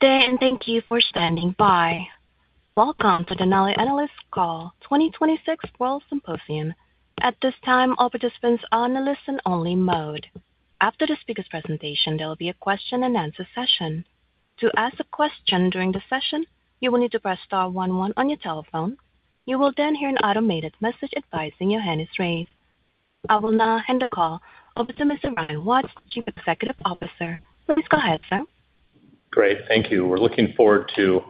Good day and thank you for standing by. Welcome to Denali Analysts' Call 2026 WORLD Symposium. At this time, all participants are in a listen-only mode. After the speaker's presentation, there will be a question-and-answer session. To ask a question during the session, you will need to press star 11 on your telephone. You will then hear an automated message advising your hand is raised. I will now turn the call over to Mr. Ryan Watts, Chief Executive Officer. Please go ahead, sir. Great. Thank you. We're looking forward to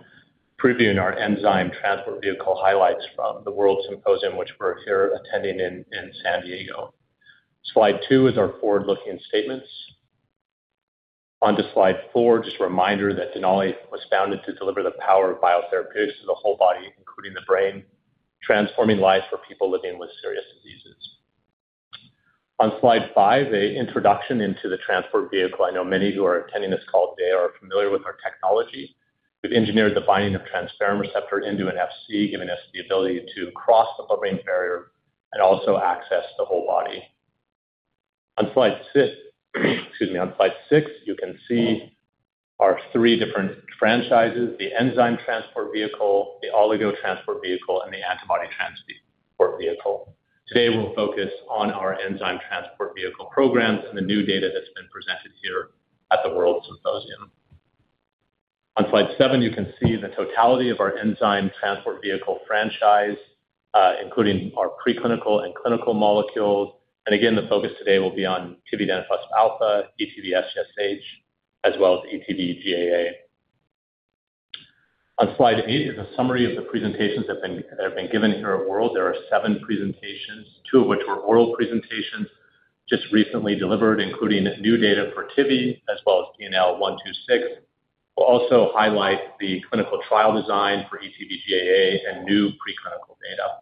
previewing our Enzyme Transport Vehicle highlights from the WORLD Symposium, which we're here attending in San Diego. Slide 2 is our forward-looking statements. Onto Slide 4, just a reminder that Denali was founded to deliver the power of biotherapeutics to the whole body, including the brain, transforming life for people living with serious diseases. On Slide 5, an introduction into the Transport Vehicle. I know many who are attending this call today are familiar with our technology. We've engineered the binding of transferrin receptor into an Fc, giving us the ability to cross the blood-brain barrier and also access the whole body. On Slide 6, excuse me, on Slide 6, you can see our three different franchises: the Enzyme Transport Vehicle, the Oligo Transport Vehicle, and the Antibody Transport Vehicle. Today, we'll focus on our enzyme transport vehicle programs and the new data that's been presented here at the WORLD Symposium. On Slide 7, you can see the totality of our enzyme transport vehicle franchise, including our preclinical and clinical molecules. Again, the focus today will be on tividenofusp alfa, ETV-SGSH, as well as ETV-GAA. On Slide 8 is a summary of the presentations that have been given here at WORLD. There are seven presentations, two of which were oral presentations just recently delivered, including new data for TIVI as well as DNL126. We'll also highlight the clinical trial design for ETV-GAA and new preclinical data.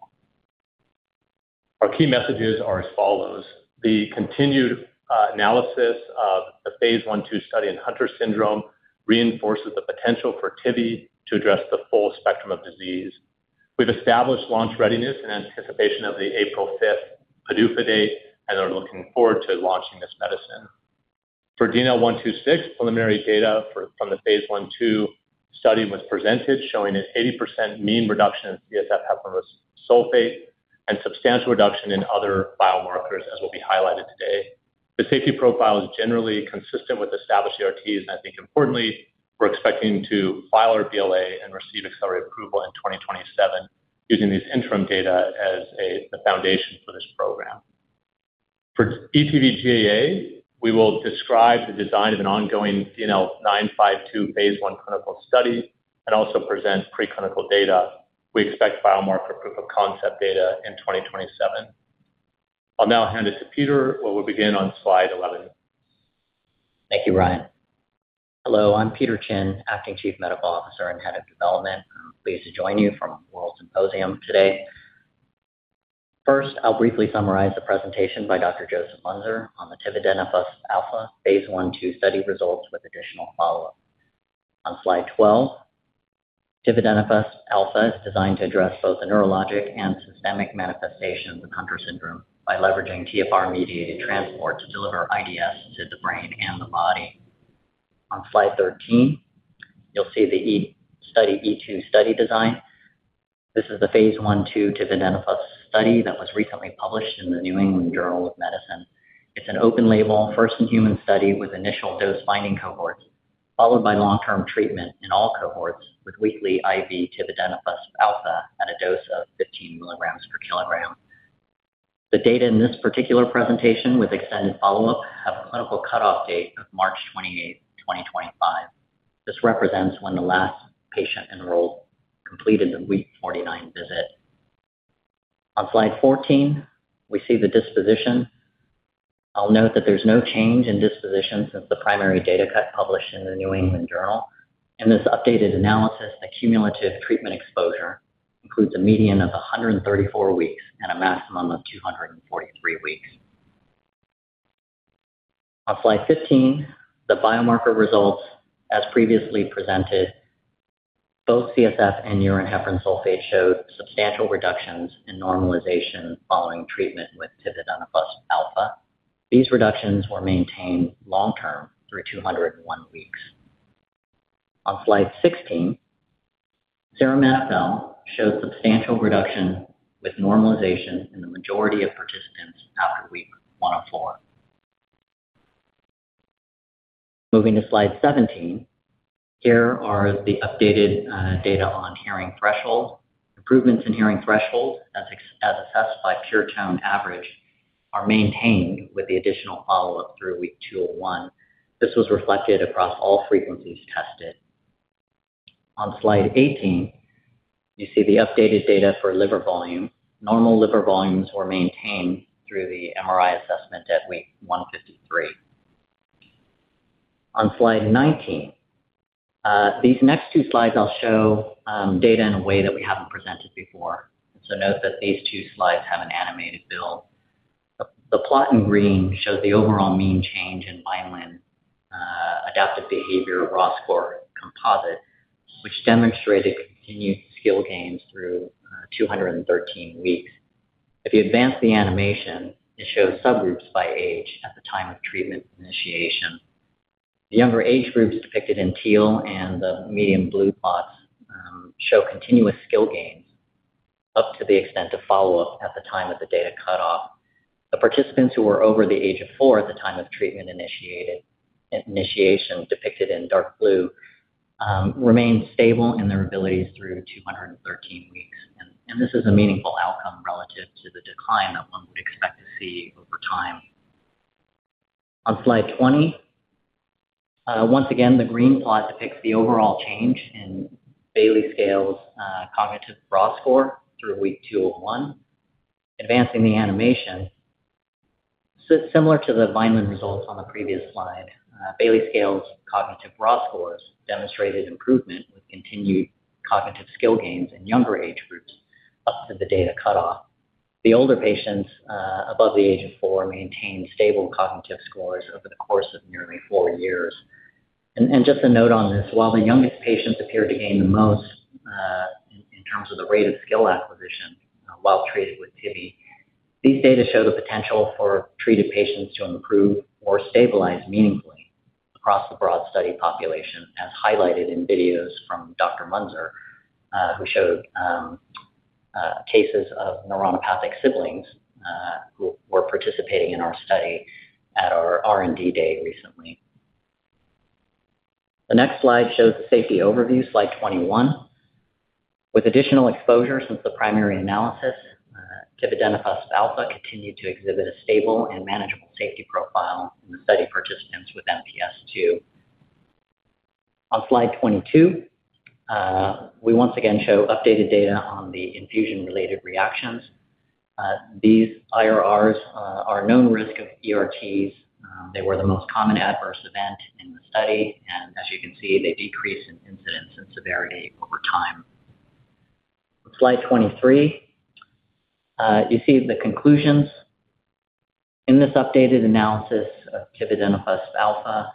Our key messages are as follows: the continued analysis of the phase 1/2 study in Hunter syndrome reinforces the potential for TIVI to address the full spectrum of disease. We've established launch readiness in anticipation of the April 5th PDUFA date, and are looking forward to launching this medicine. For DNL126, preliminary data from the phase 1/2 study was presented, showing an 80% mean reduction in CSF heparan sulfate and substantial reduction in other biomarkers, as will be highlighted today. The safety profile is generally consistent with established ERTs, and I think, importantly, we're expecting to file our BLA and receive accelerated approval in 2027 using these interim data as the foundation for this program. For ETV-GAA, we will describe the design of an ongoing DNL952 phase 1 clinical study and also present preclinical data. We expect biomarker proof-of-concept data in 2027. I'll now hand it to Peter, where we'll begin on Slide 11. Thank you, Ryan. Hello, I'm Peter Chin, Acting Chief Medical Officer and Head of Development. I'm pleased to join you from WORLD Symposium today. First, I'll briefly summarize the presentation by Dr. Joseph Muenzer on the tividenofusp alfa phase 1/2 study results with additional follow-up. On Slide 12, tividenofusp alfa is designed to address both the neurologic and systemic manifestations of Hunter syndrome by leveraging TfR-mediated transport to deliver IDS to the brain and the body. On Slide 13, you'll see the E2 study design. This is the phase 1/2 tividenofusp alfa study that was recently published in the New England Journal of Medicine. It's an open-label, first-in-human study with initial dose-finding cohorts, followed by long-term treatment in all cohorts with weekly IV tividenofusp alfa at a dose of 15 milligrams per kilogram. The data in this particular presentation with extended follow-up have a clinical cutoff date of March 28, 2025. This represents when the last patient enrolled completed the week 49 visit. On Slide 14, we see the disposition. I'll note that there's no change in disposition since the primary data cut published in the New England Journal. In this updated analysis, the cumulative treatment exposure includes a median of 134 weeks and a maximum of 243 weeks. On Slide 15, the biomarker results, as previously presented, both CSF and urine heparan sulfate showed substantial reductions in normalization following treatment with tividenofusp alfa. These reductions were maintained long-term through 201 weeks. On Slide 16, serum NfL showed substantial reduction with normalization in the majority of participants after week 104. Moving to Slide 17, here are the updated data on hearing threshold. Improvements in hearing threshold, as assessed by pure tone average, are maintained with the additional follow-up through week 201. This was reflected across all frequencies tested. On Slide 18, you see the updated data for liver volume. Normal liver volumes were maintained through the MRI assessment at week 153. On Slide 19, these next two Slides I'll show data in a way that we haven't presented before. And so note that these two Slides have an animated build. The plot in green shows the overall mean change in Vineland Adaptive Behavior Scales composite, which demonstrated continued skill gains through 213 weeks. If you advance the animation, it shows subgroups by age at the time of treatment initiation. The younger age groups depicted in teal and the medium blue plots show continuous skill gains up to the extent of follow-up at the time of the data cutoff. The participants who were over the age of four at the time of treatment initiation, depicted in dark blue, remained stable in their abilities through 213 weeks. This is a meaningful outcome relative to the decline that one would expect to see over time. On Slide 20, once again, the green plot depicts the overall change in Bayley Scales cognitive raw score through week 201. Advancing the animation, similar to the Bayley results on the previous slide, Bayley Scales cognitive ROSCORs demonstrated improvement with continued cognitive skill gains in younger age groups up to the data cutoff. The older patients above the age of four maintained stable cognitive scores over the course of nearly four years. Just a note on this: while the youngest patients appeared to gain the most in terms of the rate of skill acquisition while treated with tividenofusp alfa, these data show the potential for treated patients to improve or stabilize meaningfully across the broad study population, as highlighted in videos from Dr. Muenzer, who showed cases of neuronopathic siblings who were participating in our study at our R&D Day recently. The next Slide shows the safety overview, Slide 21. With additional exposure since the primary analysis, tividenofusp alfa continued to exhibit a stable and manageable safety profile in the study participants with MPS II. On Slide 22, we once again show updated data on the infusion-related reactions. These IRRs are known risk of ERTs. They were the most common adverse event in the study. And as you can see, they decrease in incidence and severity over time. On Slide 23, you see the conclusions. In this updated analysis of tividenofusp alfa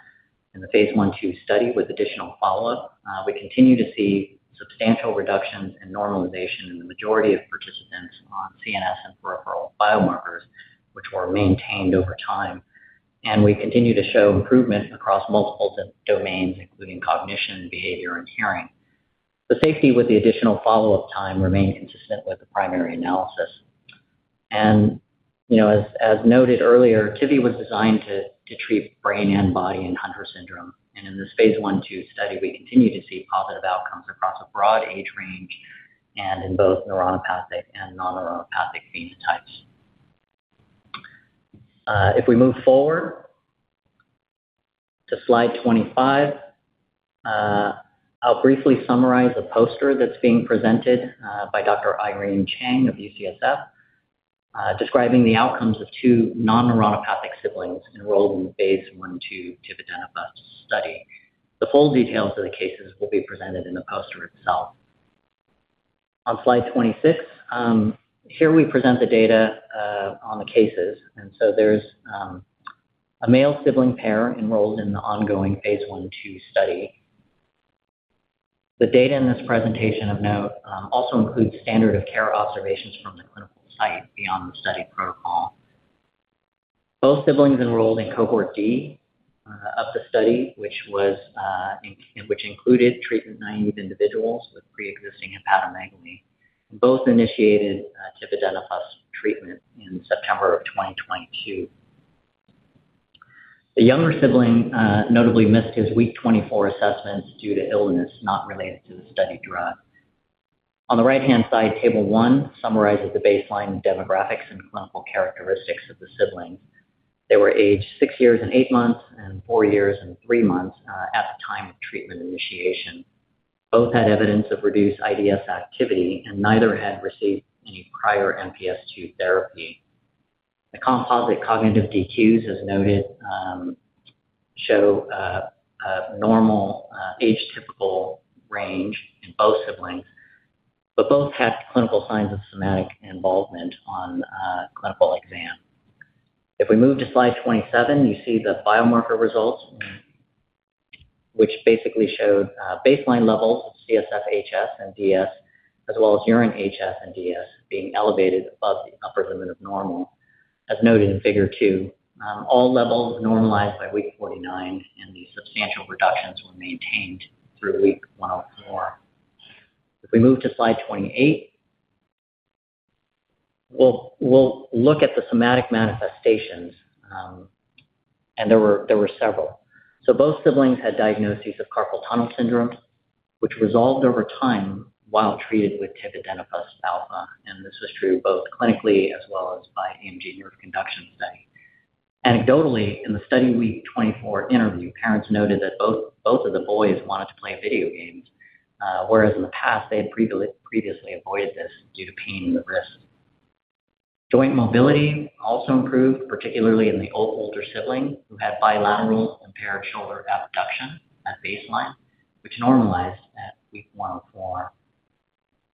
in the phase 1/2 study with additional follow-up, we continue to see substantial reductions in normalization in the majority of participants on CNS and peripheral biomarkers, which were maintained over time. And we continue to show improvement across multiple domains, including cognition, behavior, and hearing. The safety with the additional follow-up time remained consistent with the primary analysis. And as noted earlier, TIVI was designed to treat brain and body in Hunter syndrome. And in this phase 1/2 study, we continue to see positive outcomes across a broad age range and in both neuronopathic and non-neuronopathic phenotypes. If we move forward to Slide 25, I'll briefly summarize a poster that's being presented by Dr. Irene Chang of UCSF describing the outcomes of two non-neuronopathic siblings enrolled in the phase 1/2 tividenofusp study. The full details of the cases will be presented in the poster itself. On Slide 26, here we present the data on the cases. And so there's a male sibling pair enrolled in the ongoing phase 1/2 study. The data in this presentation, of note, also includes standard-of-care observations from the clinical site beyond the study protocol. Both siblings enrolled in cohort D of the study, which included treatment-naive individuals with preexisting hepatomegaly, both initiated tividenofusp treatment in September of 2022. The younger sibling notably missed his week 24 assessments due to illness not related to the study drug. On the right-hand side, table 1 summarizes the baseline demographics and clinical characteristics of the siblings. They were aged six years and eight months and four years and three months at the time of treatment initiation. Both had evidence of reduced IDS activity, and neither had received any prior MPS II therapy. The composite cognitive DQs, as noted, show a normal age-typical range in both siblings, but both had clinical signs of somatic involvement on clinical exam. If we move to Slide 27, you see the biomarker results, which basically showed baseline levels of CSF HS and DS, as well as urine HS and DS, being elevated above the upper limit of normal, as noted in figure 2. All levels normalized by week 49, and the substantial reductions were maintained through week 104. If we move to Slide 28, we'll look at the somatic manifestations. And there were several. So both siblings had diagnoses of carpal tunnel syndrome, which resolved over time while treated with tividenofusp alfa. And this was true both clinically as well as by EMG/nerve conduction study. Anecdotally, in the study week 24 interview, parents noted that both of the boys wanted to play video games, whereas in the past, they had previously avoided this due to pain in the wrist. Joint mobility also improved, particularly in the older sibling who had bilateral impaired shoulder abduction at baseline, which normalized at week 104.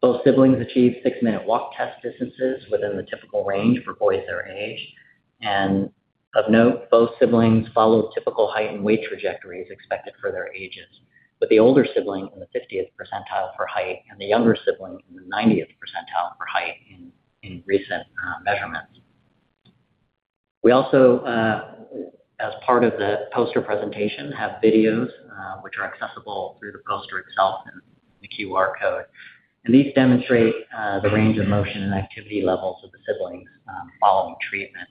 Both siblings achieved 6-minute walk test distances within the typical range for boys their age. Of note, both siblings followed typical height and weight trajectories expected for their ages, with the older sibling in the 50th percentile for height and the younger sibling in the 90th percentile for height in recent measurements. We also, as part of the poster presentation, have videos, which are accessible through the poster itself and the QR code. These demonstrate the range of motion and activity levels of the siblings following treatment.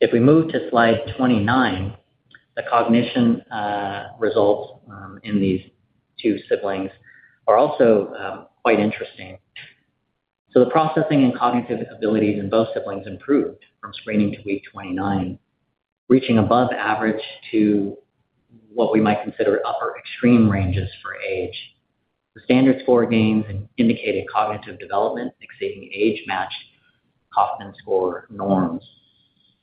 If we move to Slide 29, the cognition results in these two siblings are also quite interesting. So the processing and cognitive abilities in both siblings improved from screening to week 29, reaching above average to what we might consider upper extreme ranges for age. The standard score gains indicated cognitive development exceeding age-matched Kaufman score norms.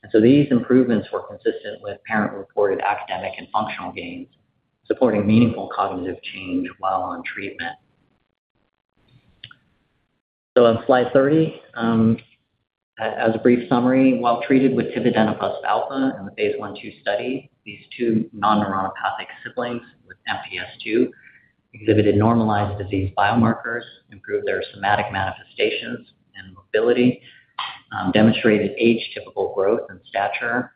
And so these improvements were consistent with parent-reported academic and functional gains, supporting meaningful cognitive change while on treatment. So on Slide 30, as a brief summary, while treated with tividenofusp alfa in the phase 1/2 study, these two non-neuronopathic siblings with MPS II exhibited normalized disease biomarkers, improved their somatic manifestations and mobility, demonstrated age-typical growth and stature,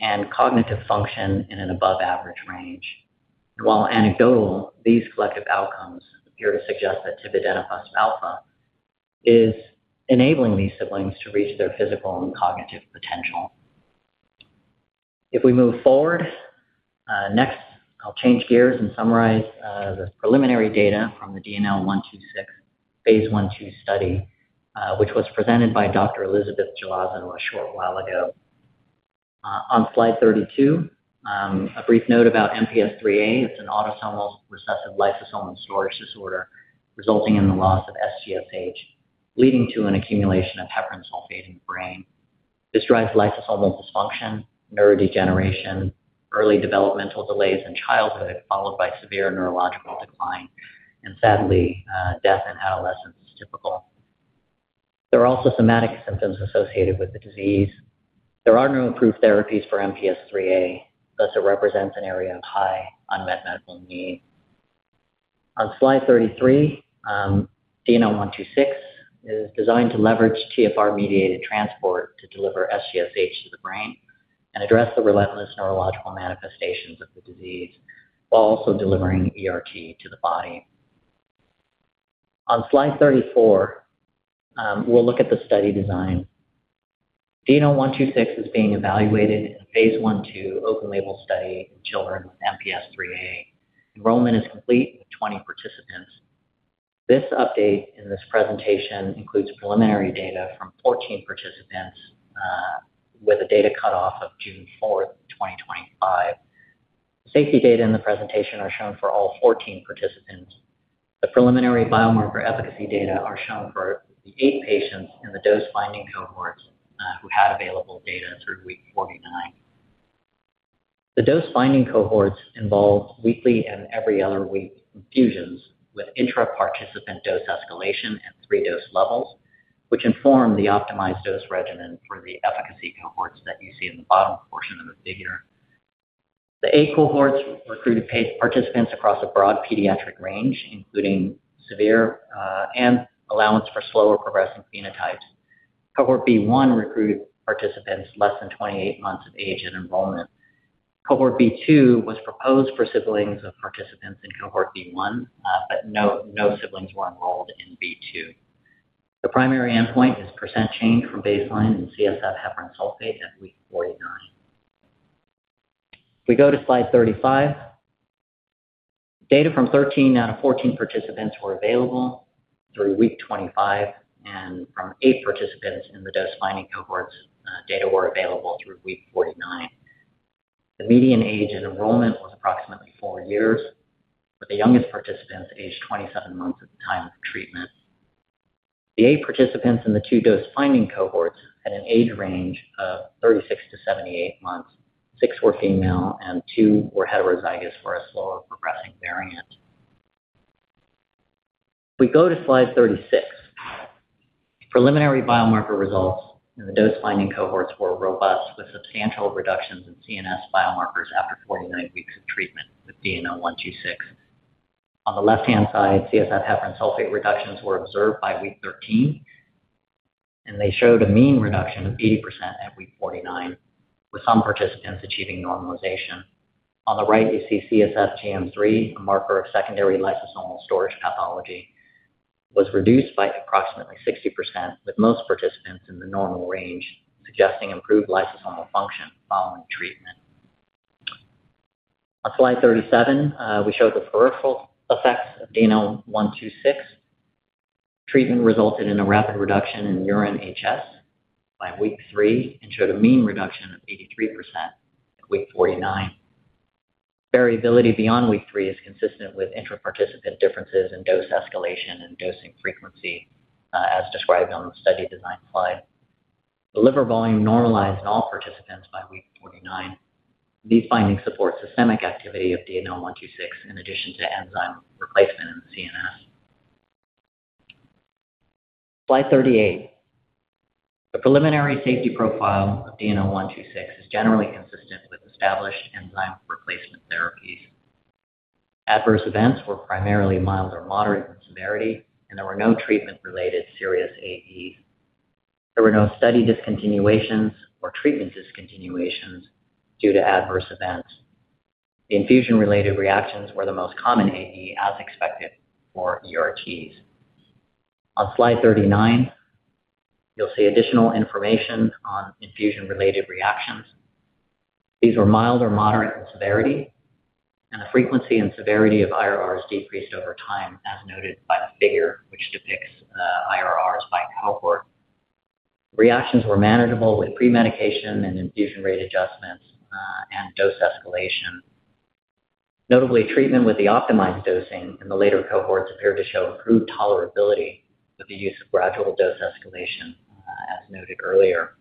and cognitive function in an above-average range. And while anecdotal, these collective outcomes appear to suggest that tividenofusp alfa is enabling these siblings to reach their physical and cognitive potential. If we move forward, next, I'll change gears and summarize the preliminary data from the DNL126 Phase 1/2 study, which was presented by Dr. Elizabeth Jalazo a short while ago. On Slide 32, a brief note about MPS IIIA. It's an autosomal recessive lysosomal storage disorder resulting in the loss of SGSH, leading to an accumulation of heparan sulfate in the brain. This drives lysosomal dysfunction, neurodegeneration, early developmental delays in childhood, followed by severe neurological decline. And sadly, death in adolescence is typical. There are also somatic symptoms associated with the disease. There are no approved therapies for MPS IIIA, thus it represents an area of high unmet medical need. On Slide 33, DNL126 is designed to leverage TfR-mediated transport to deliver SGSH to the brain and address the relentless neurological manifestations of the disease while also delivering ERT to the body. On Slide 34, we'll look at the study design. DNL126 is being evaluated in the phase 1/2 open-label study in children with MPS IIIA. Enrollment is complete with 20 participants. This update in this presentation includes preliminary data from 14 participants with a data cutoff of June 4, 2025. Safety data in the presentation are shown for all 14 participants. The preliminary biomarker efficacy data are shown for the eight patients in the dose-finding cohorts who had available data through week 49. The dose-finding cohorts involved weekly and every other week infusions with intra-participant dose escalation at three dose levels, which informed the optimized dose regimen for the efficacy cohorts that you see in the bottom portion of the figure. The eight cohorts recruited participants across a broad pediatric range, including severe and allowance for slower progressing phenotypes. Cohort B1 recruited participants less than 28 months of age at enrollment. Cohort B2 was proposed for siblings of participants in cohort B1, but no siblings were enrolled in B2. The primary endpoint is percent change from baseline in CSF heparan sulfate at week 49. If we go to Slide 35, data from 13 out of 14 participants were available through week 25, and from eight participants in the dose-finding cohorts, data were available through week 49. The median age at enrollment was approximately four years, with the youngest participants aged 27 months at the time of treatment. The eight participants in the two dose-finding cohorts had an age range of 36-78 months. Six were female, and two were heterozygous for a slower progressing variant. If we go to Slide 36, preliminary biomarker results in the dose-finding cohorts were robust, with substantial reductions in CNS biomarkers after 49 weeks of treatment with DNL126. On the left-hand side, CSF heparan sulfate reductions were observed by week 13, and they showed a mean reduction of 80% at week 49, with some participants achieving normalization. On the right, you see CSF GM3, a marker of secondary lysosomal storage pathology, was reduced by approximately 60%, with most participants in the normal range, suggesting improved lysosomal function following treatment. On Slide 37, we showed the peripheral effects of DNL126. Treatment resulted in a rapid reduction in urine HS by week 3 and showed a mean reduction of 83% at week 49. Variability beyond week 3 is consistent with intra-participant differences in dose escalation and dosing frequency, as described on the study design Slide. The liver volume normalized in all participants by week 49. These findings support systemic activity of DNL126 in addition to enzyme replacement in the CNS. Slide 38. The preliminary safety profile of DNL126 is generally consistent with established enzyme replacement therapies. Adverse events were primarily mild or moderate in severity, and there were no treatment-related serious AEs. There were no study discontinuations or treatment discontinuations due to adverse events. The infusion-related reactions were the most common AE, as expected, for ERTs. On Slide 39, you'll see additional information on infusion-related reactions. These were mild or moderate in severity, and the frequency and severity of IRRs decreased over time, as noted by the figure, which depicts IRRs by cohort. Reactions were manageable with premedication and infusion rate adjustments and dose escalation. Notably, treatment with the optimized dosing in the later cohorts appeared to show improved tolerability with the use of gradual dose escalation, as noted earlier.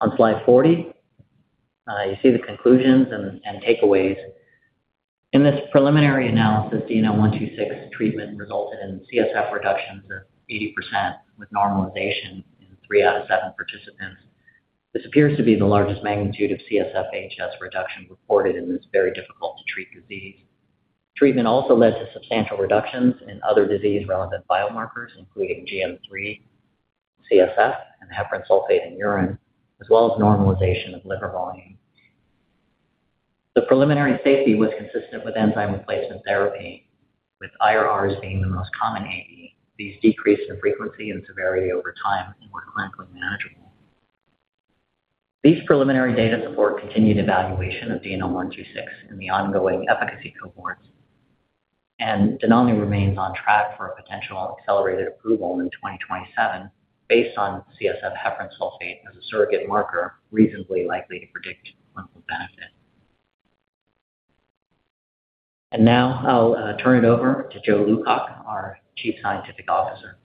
On Slide 40, you see the conclusions and takeaways. In this preliminary analysis, DNL126 treatment resulted in CSF reductions of 80% with normalization in three out of seven participants. This appears to be the largest magnitude of CSF HS reduction reported in this very difficult-to-treat disease. Treatment also led to substantial reductions in other disease-relevant biomarkers, including GM3, CSF, and heparan sulfate in urine, as well as normalization of liver volume. The preliminary safety was consistent with enzyme replacement therapy, with IRRs being the most common AE. These decreased in frequency and severity over time and were clinically manageable. These preliminary data support continued evaluation of DNL126 in the ongoing efficacy cohorts. And Denali remains on track for a potential accelerated approval in 2027, based on CSF heparan sulfate as a surrogate marker reasonably likely to predict clinical benefit. And now I'll turn it over to Joe Lewcock, our Chief Scientific Officer.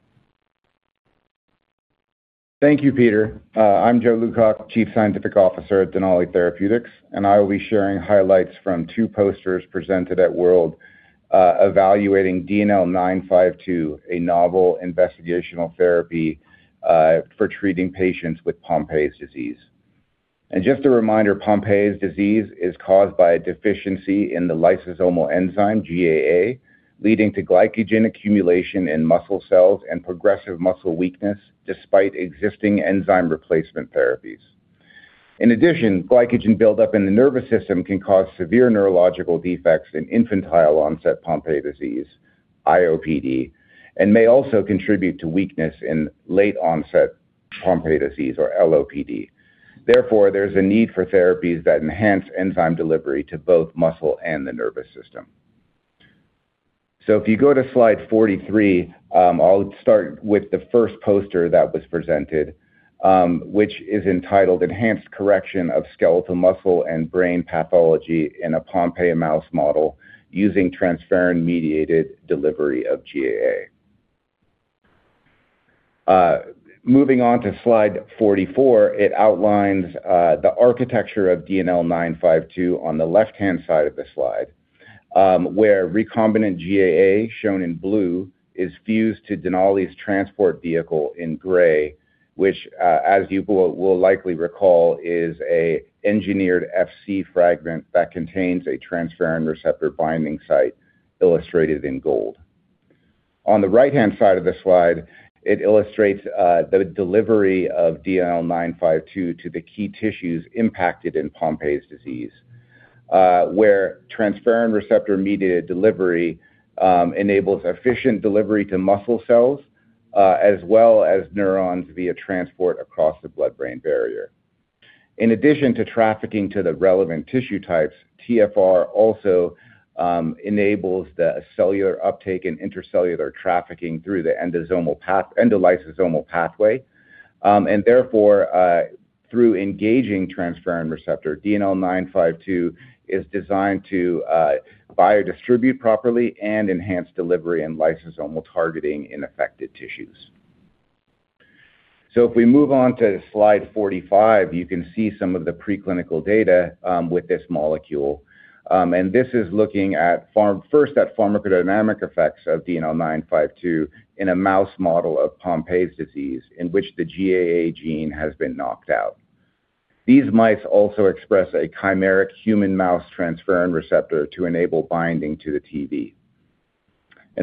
Thank you, Peter. I'm Joe Lewcock, Chief Scientific Officer at Denali Therapeutics, and I will be sharing highlights from two posters presented at WORLD evaluating DNL952, a novel investigational therapy for treating patients with Pompe disease. Just a reminder, Pompe disease is caused by a deficiency in the lysosomal enzyme, GAA, leading to glycogen accumulation in muscle cells and progressive muscle weakness despite existing enzyme replacement therapies. In addition, glycogen buildup in the nervous system can cause severe neurological defects in infantile-onset Pompe disease, IOPD, and may also contribute to weakness in late-onset Pompe disease, or LOPD. Therefore, there's a need for therapies that enhance enzyme delivery to both muscle and the nervous system. So if you go to Slide 43, I'll start with the first poster that was presented, which is entitled "Enhanced Correction of Skeletal Muscle and Brain Pathology in a Pompe Mouse Model Using Transferrin-Mediated Delivery of GAA." Moving on to Slide 44, it outlines the architecture of DNL952 on the left-hand side of the Slide, where recombinant GAA, shown in blue, is fused to Denali's transport vehicle in gray, which, as you will likely recall, is an engineered Fc fragment that contains a transferrin receptor binding site illustrated in gold. On the right-hand side of the Slide, it illustrates the delivery of DNL952 to the key tissues impacted in Pompe disease, where transferrin receptor-mediated delivery enables efficient delivery to muscle cells as well as neurons via transport across the blood-brain barrier. In addition to trafficking to the relevant tissue types, TfR also enables the cellular uptake and intercellular trafficking through the endolysosomal pathway. Therefore, through engaging transferrin receptor, DNL952 is designed to biodistribute properly and enhance delivery and lysosomal targeting in affected tissues. If we move on to Slide 45, you can see some of the preclinical data with this molecule. This is looking first at pharmacodynamic effects of DNL952 in a mouse model of Pompe disease, in which the GAA gene has been knocked out. These mice also express a chimeric human-mouse transferrin receptor to enable binding to the TV.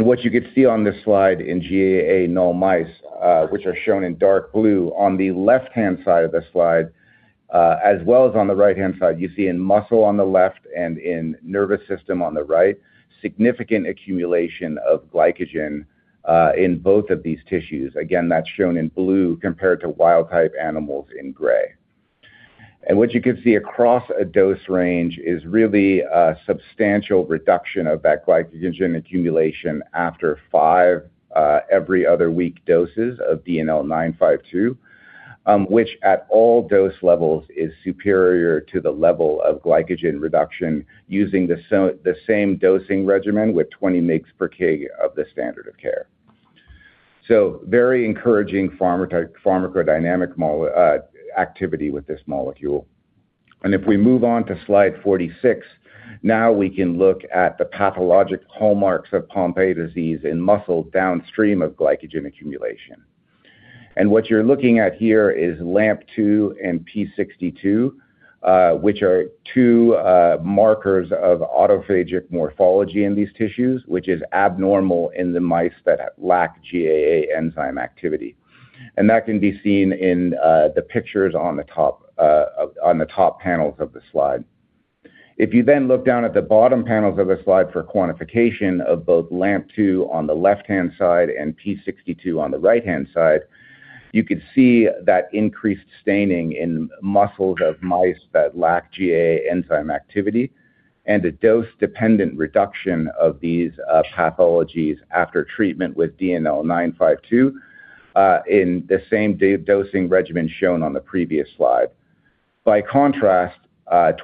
What you could see on this Slide in GAA null mice, which are shown in dark blue, on the left-hand side of the Slide, as well as on the right-hand side, you see in muscle on the left and in nervous system on the right, significant accumulation of glycogen in both of these tissues. Again, that's shown in blue compared to wild-type animals in gray. What you could see across a dose range is really a substantial reduction of that glycogen accumulation after 5 every other week doses of DNL952, which at all dose levels is superior to the level of glycogen reduction using the same dosing regimen with 20 mg per kg of the standard of care. Very encouraging pharmacodynamic activity with this molecule. If we move on to Slide 46, now we can look at the pathologic hallmarks of Pompe disease in muscle downstream of glycogen accumulation. What you're looking at here is LAMP2 and P62, which are two markers of autophagic morphology in these tissues, which is abnormal in the mice that lack GAA enzyme activity. That can be seen in the pictures on the top panels of the Slide. If you then look down at the bottom panels of the Slide for quantification of both LAMP2 on the left-hand side and P62 on the right-hand side, you could see that increased staining in muscles of mice that lack GAA enzyme activity and a dose-dependent reduction of these pathologies after treatment with DNL952 in the same dosing regimen shown on the previous Slide. By contrast,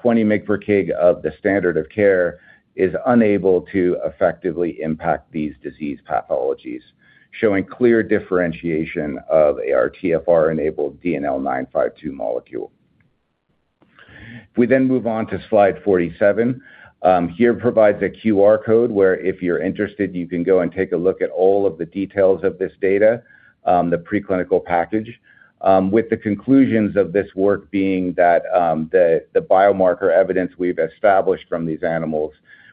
20 mg per kg of the standard of care is unable to effectively impact these disease pathologies, showing clear differentiation of a TfR-enabled DNL952 molecule. If we then move on to Slide 47, here provides a QR code where, if you're interested, you can go and take a look at all of the details of this data, the preclinical package, with the conclusions of this work being that the biomarker evidence we've established from these animals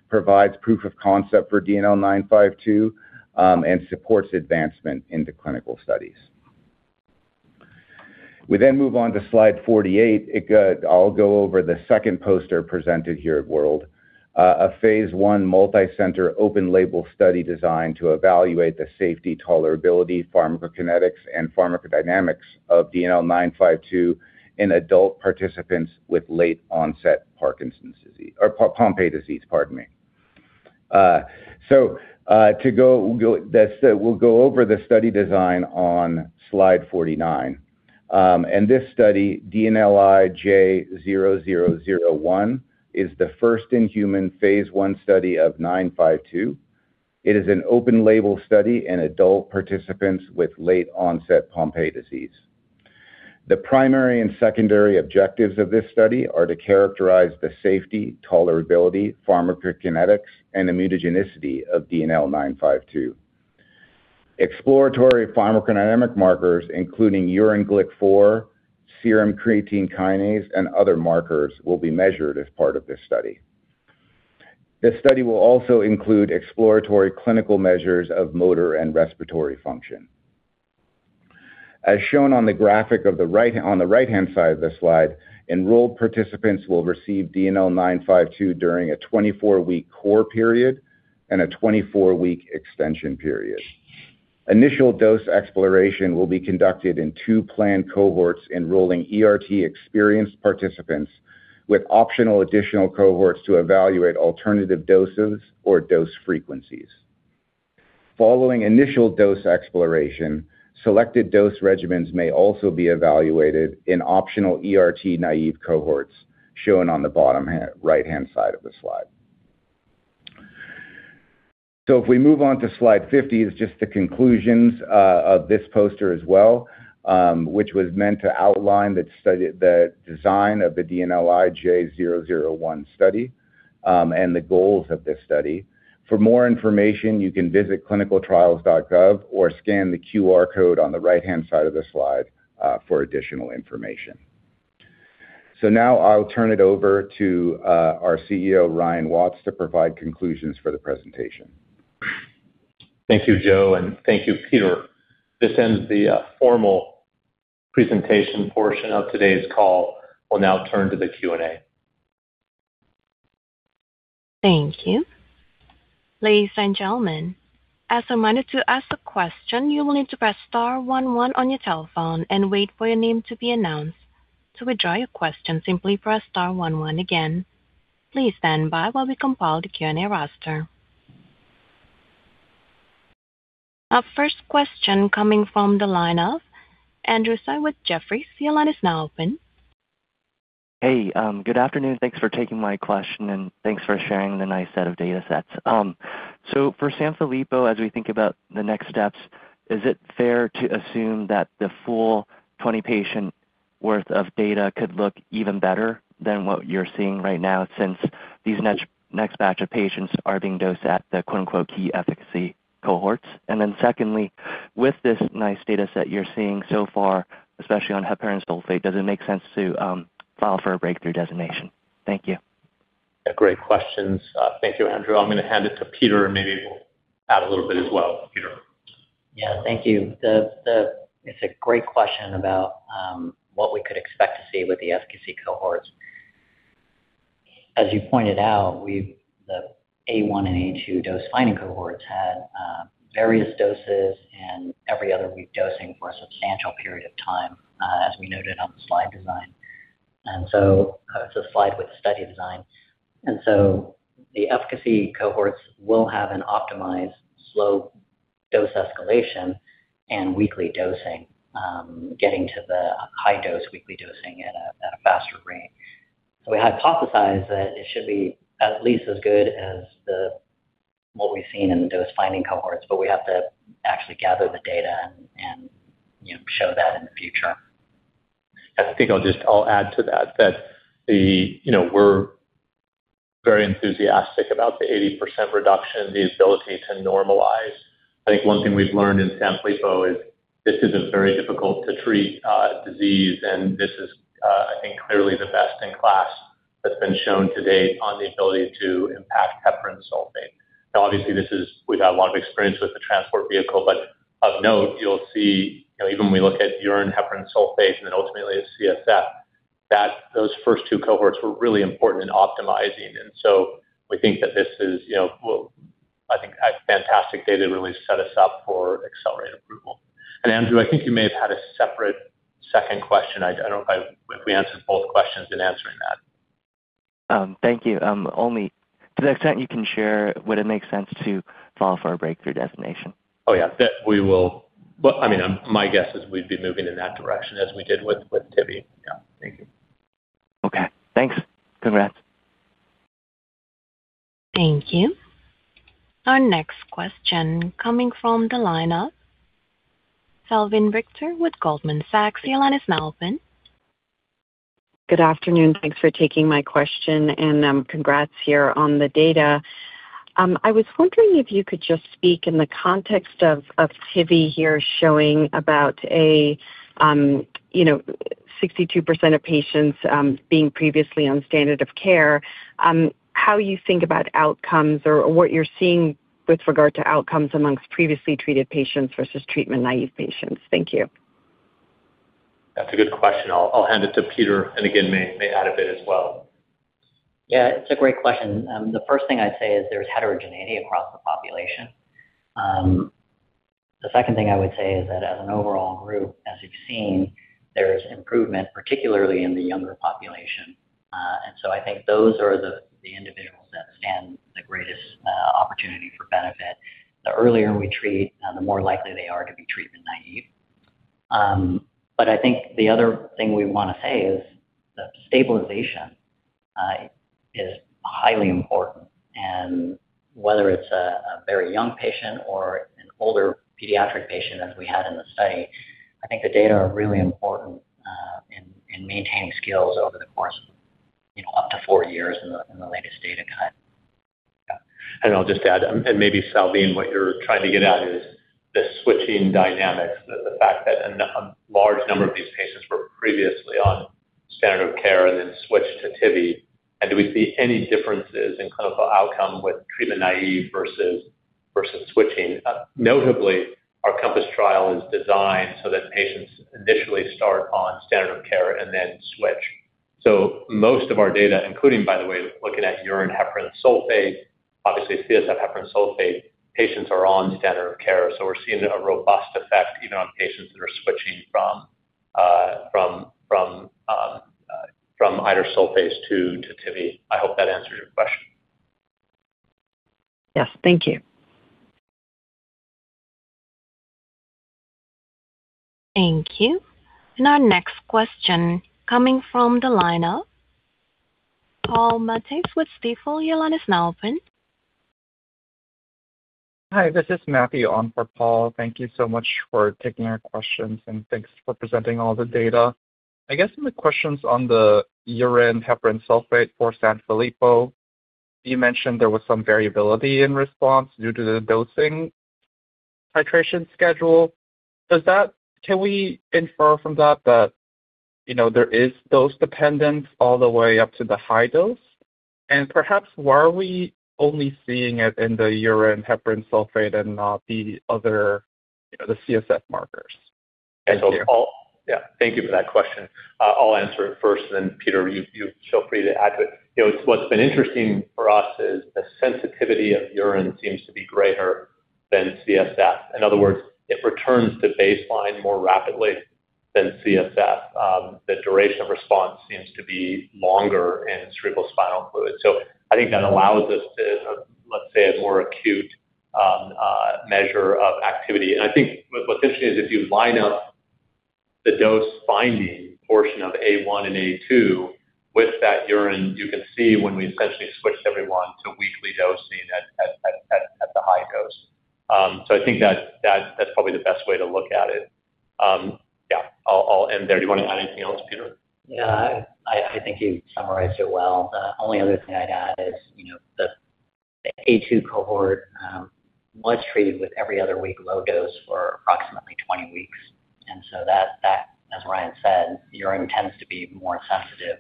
provides proof of concept for DNL952 and supports advancement into clinical studies. We then move on to Slide 48. I'll go over the second poster presented here at WORLD, a phase I multi-center open-label study designed to evaluate the safety, tolerability, pharmacokinetics, and pharmacodynamics of DNL952 in adult participants with late-onset Pompe disease, pardon me. So we'll go over the study design on Slide 49. This study, DNLI-J0001, is the first-in-human phase I study of DNL952. It is an open-label study in adult participants with late-onset Pompe disease. The primary and secondary objectives of this study are to characterize the safety, tolerability, pharmacokinetics, and immunogenicity of DNL952. Exploratory pharmacodynamic markers, including urine Glc4, serum creatine kinase, and other markers, will be measured as part of this study. This study will also include exploratory clinical measures of motor and respiratory function. As shown on the graphic on the right-hand side of the Slide, enrolled participants will receive DNL952 during a 24-week core period and a 24-week extension period. Initial dose exploration will be conducted in two planned cohorts enrolling ERT experienced participants with optional additional cohorts to evaluate alternative doses or dose frequencies. Following initial dose exploration, selected dose regimens may also be evaluated in optional ERT naive cohorts shown on the bottom right-hand side of the Slide. So if we move on to Slide 50, it's just the conclusions of this poster as well, which was meant to outline the design of the DNLI-J0001 study and the goals of this study. For more information, you can visit ClinicalTrials.gov or scan the QR code on the right-hand side of the Slide for additional information. So now I'll turn it over to our CEO, Ryan Watts, to provide conclusions for the presentation. Thank you, Joe, and thank you, Peter. This ends the formal presentation portion of today's call. We'll now turn to the Q&A. Thank you. Ladies and gentlemen, as a reminder to ask a question, you will need to press star 11 on your telephone and wait for your name to be announced. To withdraw your question, simply press star 11 again. Please stand by while we compile the Q&A roster. Our first question coming from the line of Andrew Tsai with Jefferies. The line is now open. Hey, good afternoon. Thanks for taking my question, and thanks for sharing the nice set of datasets. So for Sanfilippo, as we think about the next steps, is it fair to assume that the full 20-patient worth of data could look even better than what you're seeing right now since these next batch of patients are being dosed at the "key efficacy" cohorts? And then secondly, with this nice dataset you're seeing so far, especially on heparan sulfate, does it make sense to file for a breakthrough designation? Thank you. Great questions. Thank you, Andrew. I'm going to hand it to Peter, and maybe we'll add a little bit as well. Peter. Yeah, thank you. It's a great question about what we could expect to see with the efficacy cohorts. As you pointed out, the A1 and A2 dose-finding cohorts had various doses and every other week dosing for a substantial period of time, as we noted on the study design. It's a Slide with a study design. The efficacy cohorts will have an optimized slow dose escalation and weekly dosing, getting to the high-dose weekly dosing at a faster rate. We hypothesize that it should be at least as good as what we've seen in the dose-finding cohorts, but we have to actually gather the data and show that in the future. I think I'll add to that, that we're very enthusiastic about the 80% reduction, the ability to normalize. I think one thing we've learned in Sanfilippo is this is a very difficult-to-treat disease, and this is, I think, clearly the best-in-class that's been shown to date on the ability to impact heparan sulfate. Now, obviously, we've had a lot of experience with the transport vehicle, but of note, you'll see even when we look at urine heparan sulfate and then ultimately at CSF, those first two cohorts were really important in optimizing. And so we think that this is, I think, fantastic data to really set us up for accelerated approval. And Andrew, I think you may have had a separate second question. I don't know if we answered both questions in answering that. Thank you. To the extent you can share whether it makes sense to file for a breakthrough designation. Oh, yeah. I mean, my guess is we'd be moving in that direction as we did with TV. Yeah, thank you. Okay. Thanks. Congrats. Thank you. Our next question coming from the line of Salveen Richter with Goldman Sachs. The line is now open. Good afternoon. Thanks for taking my question, and congrats here on the data. I was wondering if you could just speak in the context of TV here showing about 62% of patients being previously on standard of care, how you think about outcomes or what you're seeing with regard to outcomes amongst previously treated patients versus treatment-naive patients? Thank you. That's a good question. I'll hand it to Peter, and again, may add a bit as well. Yeah, it's a great question. The first thing I'd say is there's heterogeneity across the population. The second thing I would say is that as an overall group, as you've seen, there's improvement, particularly in the younger population. And so I think those are the individuals that stand the greatest opportunity for benefit. The earlier we treat, the more likely they are to be treatment-naive. But I think the other thing we want to say is the stabilization is highly important. And whether it's a very young patient or an older pediatric patient, as we had in the study, I think the data are really important in maintaining skills over the course of up to four years in the latest data cut. I'll just add, and maybe, Salveen, what you're trying to get at is the switching dynamics, the fact that a large number of these patients were previously on standard of care and then switched to TV. Do we see any differences in clinical outcome with treatment-naive versus switching? Notably, our COMPASS trial is designed so that patients initially start on standard of care and then switch. So most of our data, including, by the way, looking at urine heparan sulfate, obviously, CSF heparan sulfate, patients are on standard of care. So we're seeing a robust effect even on patients that are switching from idursulfase to TV. I hope that answers your question. Yes, thank you. Thank you. Our next question coming from the line of Paul Matteis with Stifel. The line is now open. Hi, this is Matthew on for Paul. Thank you so much for taking our questions, and thanks for presenting all the data. I guess some of the questions on the urine heparan sulfate for Sanfilippo, you mentioned there was some variability in response due to the dosing titration schedule. Can we infer from that that there is dose dependence all the way up to the high dose? And perhaps, why are we only seeing it in the urine heparan sulfate and not the other CSF markers? Thank you. Yeah, thank you for that question. I'll answer it first, and then, Peter, you feel free to add to it. What's been interesting for us is the sensitivity of urine seems to be greater than CSF. In other words, it returns to baseline more rapidly than CSF. The duration of response seems to be longer in cerebrospinal fluid. So I think that allows us to, let's say, a more acute measure of activity. And I think what's interesting is if you line up the dose-finding portion of A1 and A2 with that urine, you can see when we essentially switched everyone to weekly dosing at the high dose. So I think that's probably the best way to look at it. Yeah, I'll end there. Do you want to add anything else, Peter? Yeah, I think you've summarized it well. The only other thing I'd add is the A2 cohort was treated with every other week low dose for approximately 20 weeks. And so that, as Ryan said, urine tends to be more sensitive,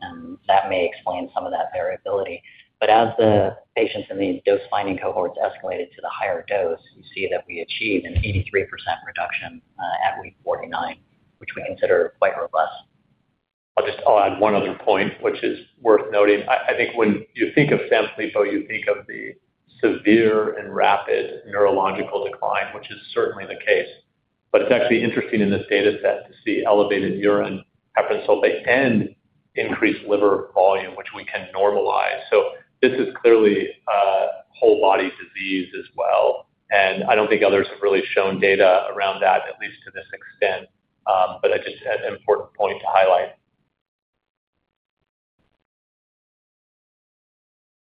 and that may explain some of that variability. But as the patients in the dose-finding cohorts escalated to the higher dose, you see that we achieved an 83% reduction at week 49, which we consider quite robust. I'll add one other point, which is worth noting. I think when you think of Sanfilippo, you think of the severe and rapid neurological decline, which is certainly the case. But it's actually interesting in this dataset to see elevated urine heparan sulfate and increased liver volume, which we can normalize. So this is clearly a whole-body disease as well. And I don't think others have really shown data around that, at least to this extent. But just an important point to highlight.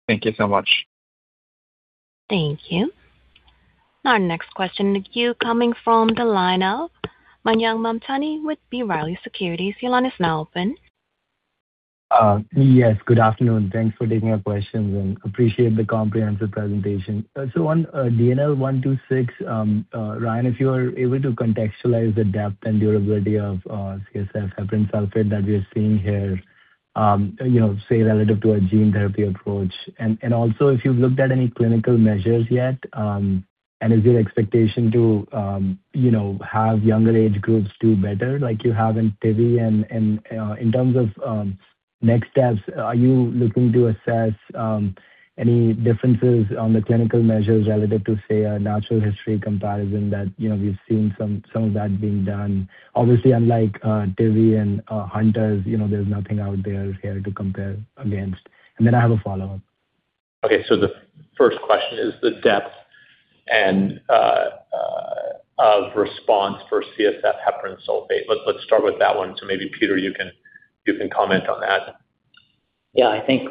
Thank you so much. Thank you. Our next question to you coming from the line of Mayank Mamtani with B. Riley Securities. The line is now open. Yes, good afternoon. Thanks for taking our questions, and appreciate the comprehensive presentation. So on DNL126, Ryan, if you are able to contextualize the depth and durability of CSF heparan sulfate that we are seeing here, say, relative to a gene therapy approach, and also if you've looked at any clinical measures yet, and is your expectation to have younger age groups do better like you have in TV? And in terms of next steps, are you looking to assess any differences on the clinical measures relative to, say, a natural history comparison that we've seen some of that being done? Obviously, unlike TV and Hunter's, there's nothing out there here to compare against. And then I have a follow-up. Okay. So the first question is the depth of response for CSF heparan sulfate. Let's start with that one. So maybe, Peter, you can comment on that. Yeah, I think,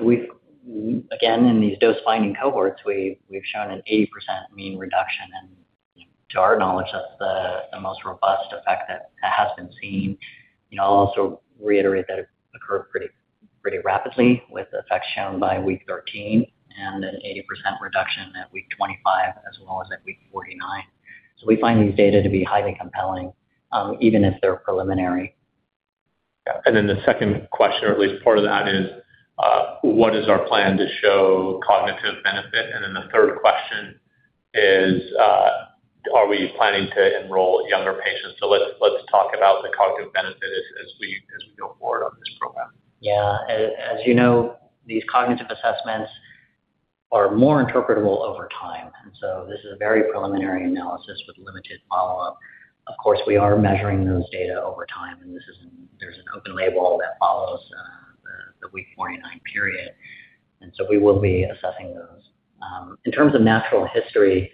again, in these dose-finding cohorts, we've shown an 80% mean reduction. To our knowledge, that's the most robust effect that has been seen. I'll also reiterate that it occurred pretty rapidly with effects shown by week 13 and an 80% reduction at week 25 as well as at week 49. We find these data to be highly compelling, even if they're preliminary. Yeah. And then the second question, or at least part of that, is what is our plan to show cognitive benefit? And then the third question is, are we planning to enroll younger patients? So let's talk about the cognitive benefit as we go forward on this program. Yeah. As you know, these cognitive assessments are more interpretable over time. And so this is a very preliminary analysis with limited follow-up. Of course, we are measuring those data over time, and there's an open label that follows the week 49 period. And so we will be assessing those. In terms of natural history,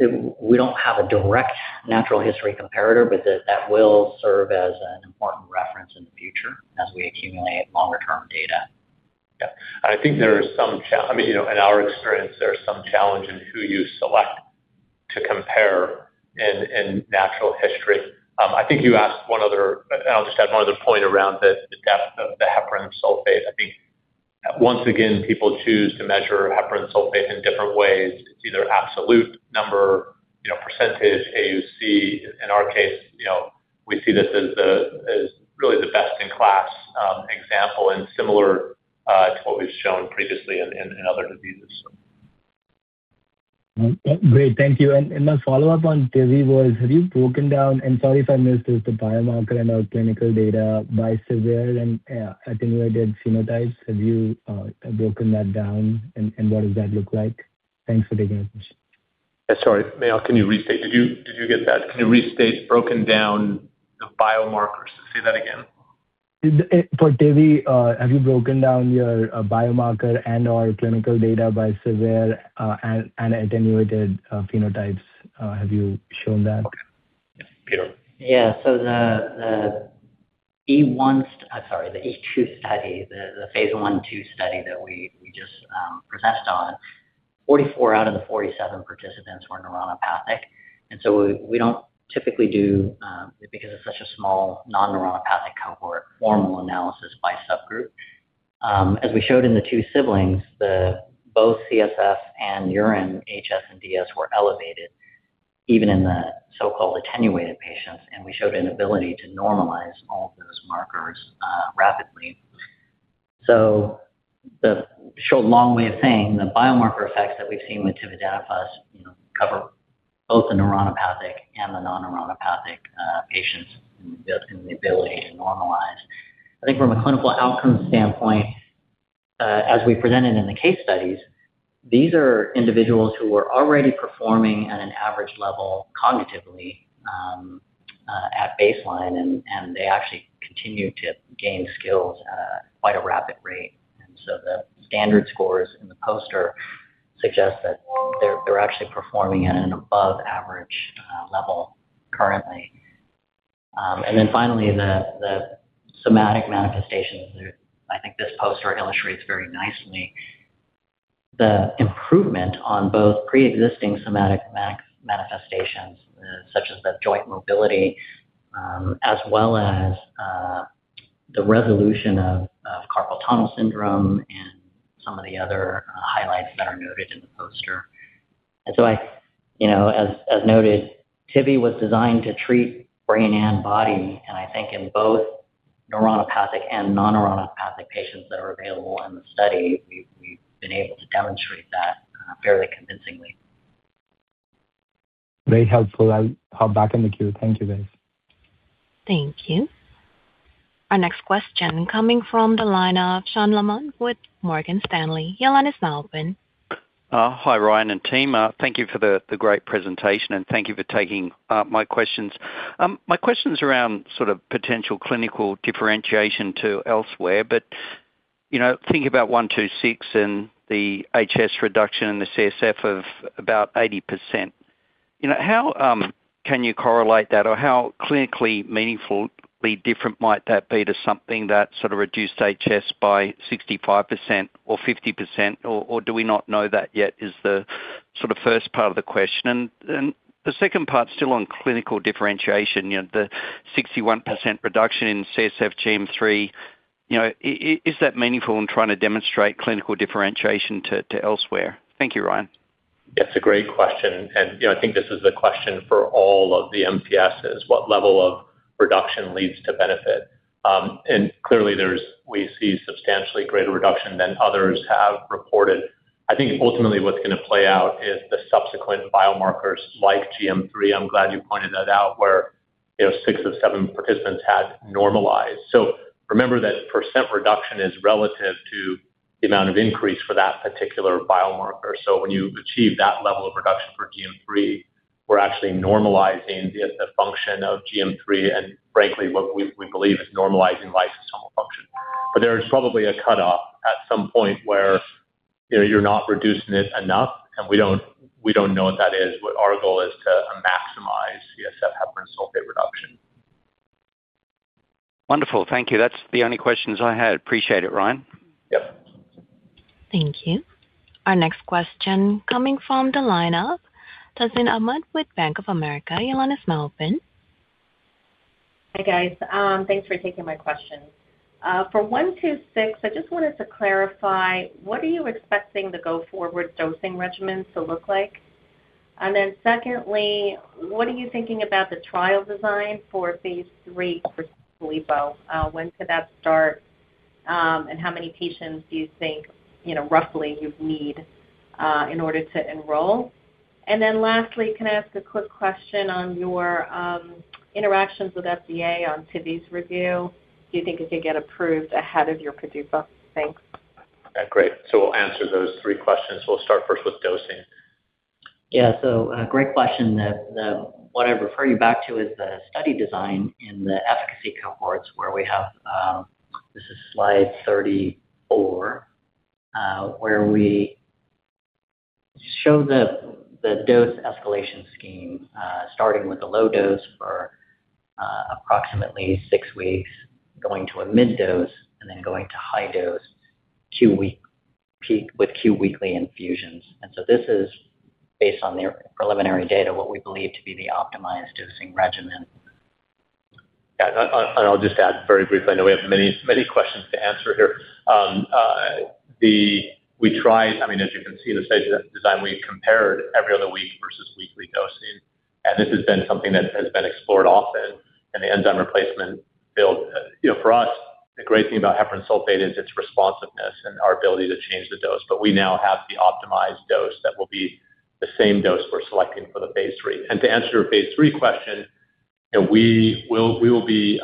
we don't have a direct natural history comparator, but that will serve as an important reference in the future as we accumulate longer-term data. Yeah. And I think there are some—I mean, in our experience, there's some challenge in who you select to compare in natural history. I think you asked one other, and I'll just add one other point around the depth of the heparan sulfate. I think, once again, people choose to measure heparan sulfate in different ways. It's either absolute number, percentage, AUC. In our case, we see this as really the best-in-class example and similar to what we've shown previously in other diseases, so. Great. Thank you. And my follow-up on TV was, have you broken down and sorry if I missed this, the biomarker and our clinical data by severe and attenuated phenotypes? Have you broken that down, and what does that look like? Thanks for taking the question. Yeah, sorry. May I? Can you restate? Did you get that? Can you restate broken down the biomarkers? Say that again. For TV, have you broken down your biomarker and/or clinical data by severe and attenuated phenotypes? Have you shown that? Yeah. Peter. Yeah. So the A2 study, the phase 1/2 study that we just presented on, 44 out of the 47 participants were neuronopathic. And so we don't typically do, because it's such a small non-neuronopathic cohort, formal analysis by subgroup. As we showed in the two siblings, both CSF and urine, HS and DS, were elevated, even in the so-called attenuated patients. And we showed an ability to normalize all of those markers rapidly. So the short, long way of saying, the biomarker effects that we've seen with tividenofusp cover both the neuronopathic and the non-neuronopathic patients in the ability to normalize. I think from a clinical outcome standpoint, as we presented in the case studies, these are individuals who were already performing at an average level cognitively at baseline, and they actually continue to gain skills at quite a rapid rate. The standard scores in the poster suggest that they're actually performing at an above-average level currently. Then finally, the somatic manifestations, I think this poster illustrates very nicely, the improvement on both preexisting somatic manifestations such as the joint mobility as well as the resolution of carpal tunnel syndrome and some of the other highlights that are noted in the poster. As noted, TV was designed to treat brain and body. I think in both neuronopathic and non-neuronopathic patients that are available in the study, we've been able to demonstrate that fairly convincingly. Very helpful. I'll hop back in the queue. Thank you, guys. Thank you. Our next question coming from the line of Sean Laaman with Morgan Stanley. The line is now open. Hi, Ryan and team. Thank you for the great presentation, and thank you for taking my questions. My question's around sort of potential clinical differentiation to elsewhere. But think about 126 and the HS reduction in the CSF of about 80%. How can you correlate that, or how clinically meaningfully different might that be to something that sort of reduced HS by 65% or 50%? Or do we not know that yet is the sort of first part of the question? And the second part's still on clinical differentiation, the 61% reduction in CSF GM3. Is that meaningful in trying to demonstrate clinical differentiation to elsewhere? Thank you, Ryan. Yeah, it's a great question. And I think this is a question for all of the MPSs. What level of reduction leads to benefit? And clearly, we see substantially greater reduction than others have reported. I think ultimately, what's going to play out is the subsequent biomarkers like GM3. I'm glad you pointed that out, where 6 of 7 participants had normalized. So remember that % reduction is relative to the amount of increase for that particular biomarker. So when you achieve that level of reduction for GM3, we're actually normalizing the function of GM3 and, frankly, what we believe is normalizing lysosomal function. But there's probably a cutoff at some point where you're not reducing it enough, and we don't know what that is. Our goal is to maximize CSF heparan sulfate reduction. Wonderful. Thank you. That's the only questions I had. Appreciate it, Ryan. Yep. Thank you. Our next question coming from the line of Tazeen Ahmad with Bank of America. The line is now open. Hi, guys. Thanks for taking my question. For 126, I just wanted to clarify, what are you expecting the go-forward dosing regimens to look like? And then secondly, what are you thinking about the trial design for phase 3 for Sanfilippo? When could that start, and how many patients do you think, roughly, you'd need in order to enroll? And then lastly, can I ask a quick question on your interactions with FDA on TV's review? Do you think it could get approved ahead of your PDUFA? Thanks. Yeah, great. So we'll answer those three questions. We'll start first with dosing. Yeah, so great question. What I refer you back to is the study design in the efficacy cohorts, where we have this is Slide 34, where we show the dose escalation scheme starting with a low dose for approximately 6 weeks, going to a mid-dose, and then going to high dose with q-weekly infusions. So this is based on the preliminary data, what we believe to be the optimized dosing regimen. Yeah. I'll just add very briefly. I know we have many questions to answer here. I mean, as you can see in the study design, we compared every other week versus weekly dosing. This has been something that has been explored often. The enzyme replacement build for us, the great thing about heparan sulfate is its responsiveness and our ability to change the dose. But we now have the optimized dose that will be the same dose we're selecting for the phase 3. To answer your phase 3 question, we will be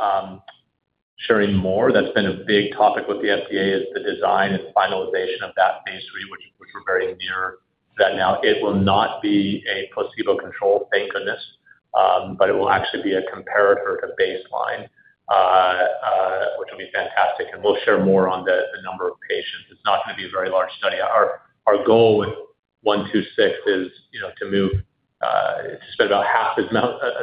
sharing more. That's been a big topic with the FDA, is the design and finalization of that phase 3, which we're very near to that now. It will not be a placebo control, thank goodness, but it will actually be a comparator to baseline, which will be fantastic. We'll share more on the number of patients. It's not going to be a very large study. Our goal with 126 is to spend about half as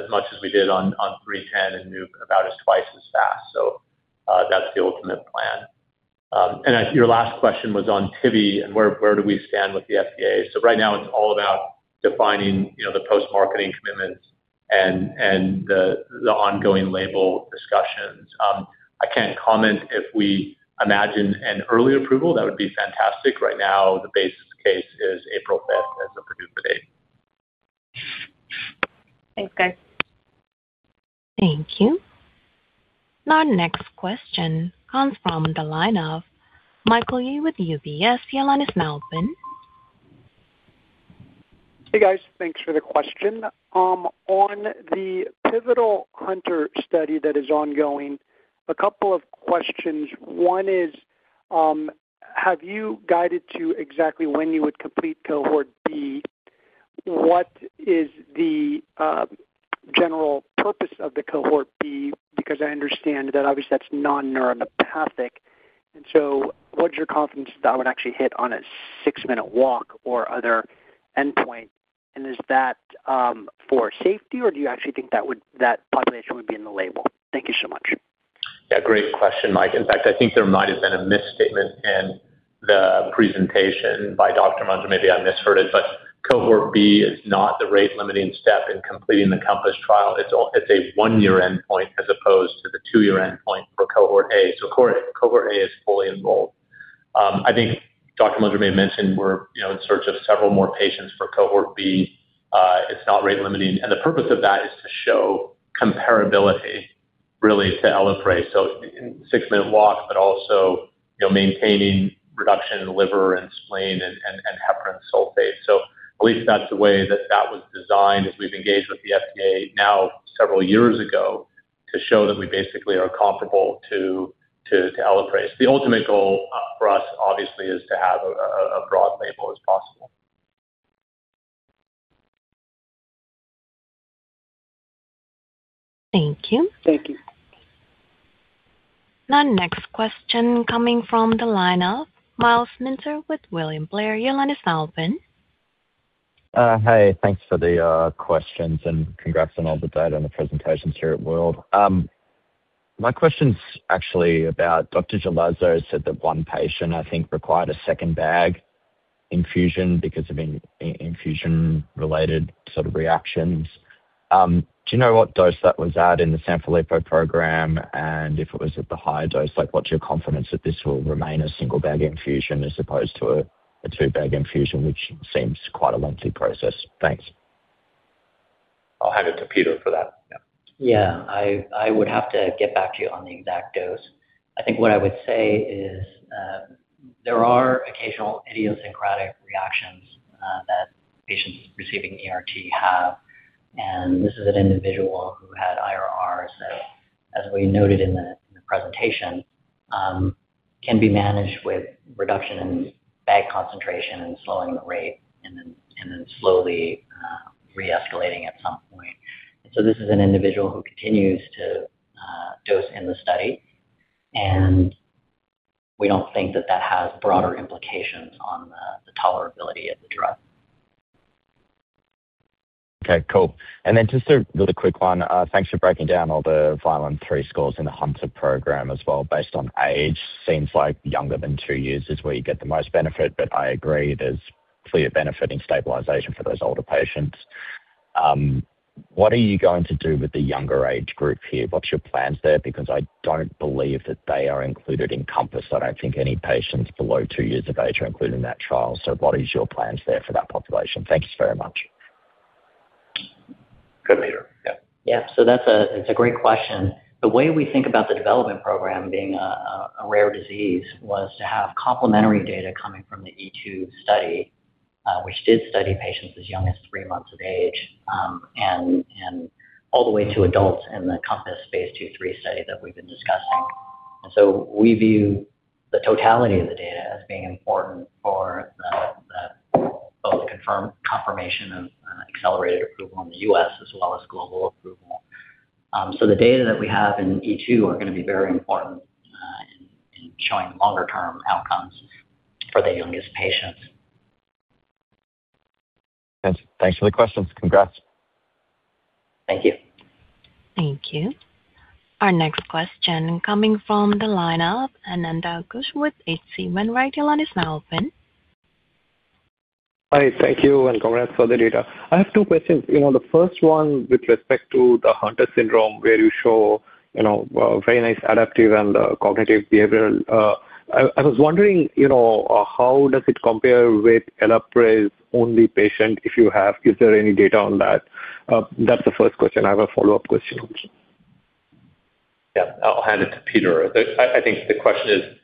much as we did on 310 and move about as twice as fast. So that's the ultimate plan. Your last question was on TV and where do we stand with the FDA. So right now, it's all about defining the post-marketing commitments and the ongoing label discussions. I can't comment. If we imagine an early approval, that would be fantastic. Right now, the base case is April 5th as a PDUFA date. Thanks, guys. Thank you. And our next question comes from the line of Michael Yee with UBS. The line is now open. Hey, guys. Thanks for the question. On the Pivotal Hunter study that is ongoing, a couple of questions. One is, have you guided to exactly when you would complete cohort B? What is the general purpose of the cohort B? Because I understand that, obviously, that's non-neuronopathic. And so what's your confidence that that would actually hit on a six-minute walk or other endpoint? And is that for safety, or do you actually think that population would be in the label? Thank you so much. Yeah, great question, Mike. In fact, I think there might have been a misstatement in the presentation by Dr. Muenzer. Maybe I misheard it. But cohort B is not the rate-limiting step in completing the COMPASS trial. It's a 1-year endpoint as opposed to the 2-year endpoint for cohort A. So cohort A is fully enrolled. I think Dr. Muenzer may have mentioned we're in search of several more patients for cohort B. It's not rate-limiting. And the purpose of that is to show comparability, really, to Elaprase. So 6-minute walk, but also maintaining reduction in liver and spleen and heparan sulfate. So at least that's the way that that was designed as we've engaged with the FDA now several years ago to show that we basically are comparable to Elaprase. The ultimate goal for us, obviously, is to have a broad label as possible. Thank you. Thank you. Our next question coming from the line of Myles Minter with William Blair. The line is now open. Hi. Thanks for the questions and congrats on all the data and the presentations here at WORLD. My question's actually about Dr. Jalazo said that one patient, I think, required a second bag infusion because of infusion-related sort of reactions. Do you know what dose that was at in the Sanfilippo program, and if it was at the high dose? What's your confidence that this will remain a single bag infusion as opposed to a two-bag infusion, which seems quite a lengthy process? Thanks. I'll hand the computer for that. Yeah. Yeah. I would have to get back to you on the exact dose. I think what I would say is there are occasional idiosyncratic reactions that patients receiving ERT have. And this is an individual who had IRRs that, as we noted in the presentation, can be managed with reduction in bag concentration and slowing the rate and then slowly re-escalating at some point. And so this is an individual who continues to dose in the study, and we don't think that that has broader implications on the tolerability of the drug. Okay. Cool. And then just a really quick one. Thanks for breaking down all the Vineland III scores in the Hunter program as well. Based on age, seems like younger than two years is where you get the most benefit, but I agree there's clear benefit in stabilization for those older patients. What are you going to do with the younger age group here? What's your plans there? Because I don't believe that they are included in COMPASS. I don't think any patients below two years of age are included in that trial. So what is your plans there for that population? Thank you so very much. Good, Peter. Yeah. Yeah. So it's a great question. The way we think about the development program being a rare disease was to have complementary data coming from the E2 study, which did study patients as young as three months of age and all the way to adults in the COMPASS phase 2/3 study that we've been discussing. And so we view the totality of the data as being important for both confirmation of accelerated approval in the U.S. as well as global approval. So the data that we have in E2 are going to be very important in showing longer-term outcomes for the youngest patients. Thanks. Thanks for the questions. Congrats. Thank you. Thank you. Our next question coming from the line of Ananda Ghosh with H.C. Wainwright. The line is now open. Hi. Thank you and congrats for the data. I have two questions. The first one with respect to the Hunter syndrome, where you show very nice adaptive and cognitive behavioral. I was wondering, how does it compare with Elaprase-only patient if you have? Is there any data on that? That's the first question. I have a follow-up question also. Yeah. I'll hand it to Peter. I think the question is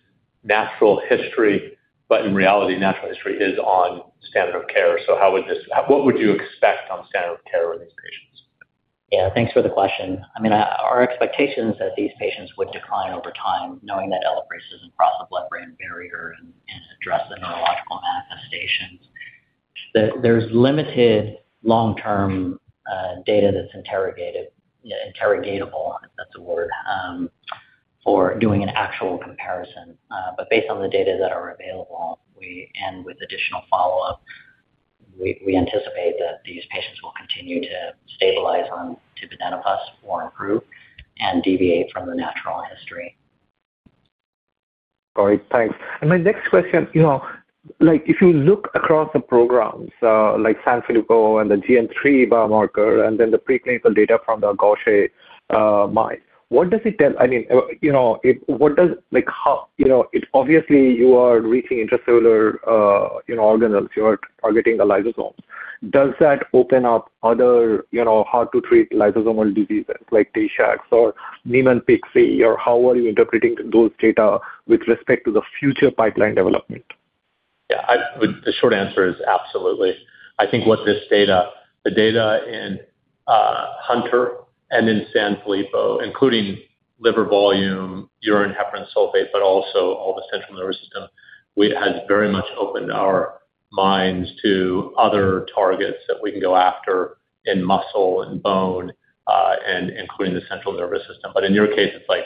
natural history, but in reality, natural history is on standard of care. So what would you expect on standard of care with these patients? Yeah. Thanks for the question. I mean, our expectation is that these patients would decline over time knowing that Elaprase does not cross the blood-brain barrier and does not address the neurological manifestations. There's limited long-term data that's interrogated, interrogatable, if that's a word, for doing an actual comparison. But based on the data that are available and with additional follow-up, we anticipate that these patients will continue to stabilize on tividenofusp or improve and deviate from the natural history. All right. Thanks. And my next question, if you look across the programs like Sanfilippo and the GM3 biomarker and then the preclinical data from the Gaucher mice, what does it tell? I mean, what does it obviously, you are reaching intracellular organelles. You are targeting the lysosomes. Does that open up other how-to-treat lysosomal diseases like Tay-Sachs or Niemann-Pick? Or how are you interpreting those data with respect to the future pipeline development? Yeah. The short answer is absolutely. I think what this data, the data in Hunter and in Sanfilippo, including liver volume, urine heparan sulfate, but also all the central nervous system, has very much opened our minds to other targets that we can go after in muscle and bone, including the central nervous system. But in your case, what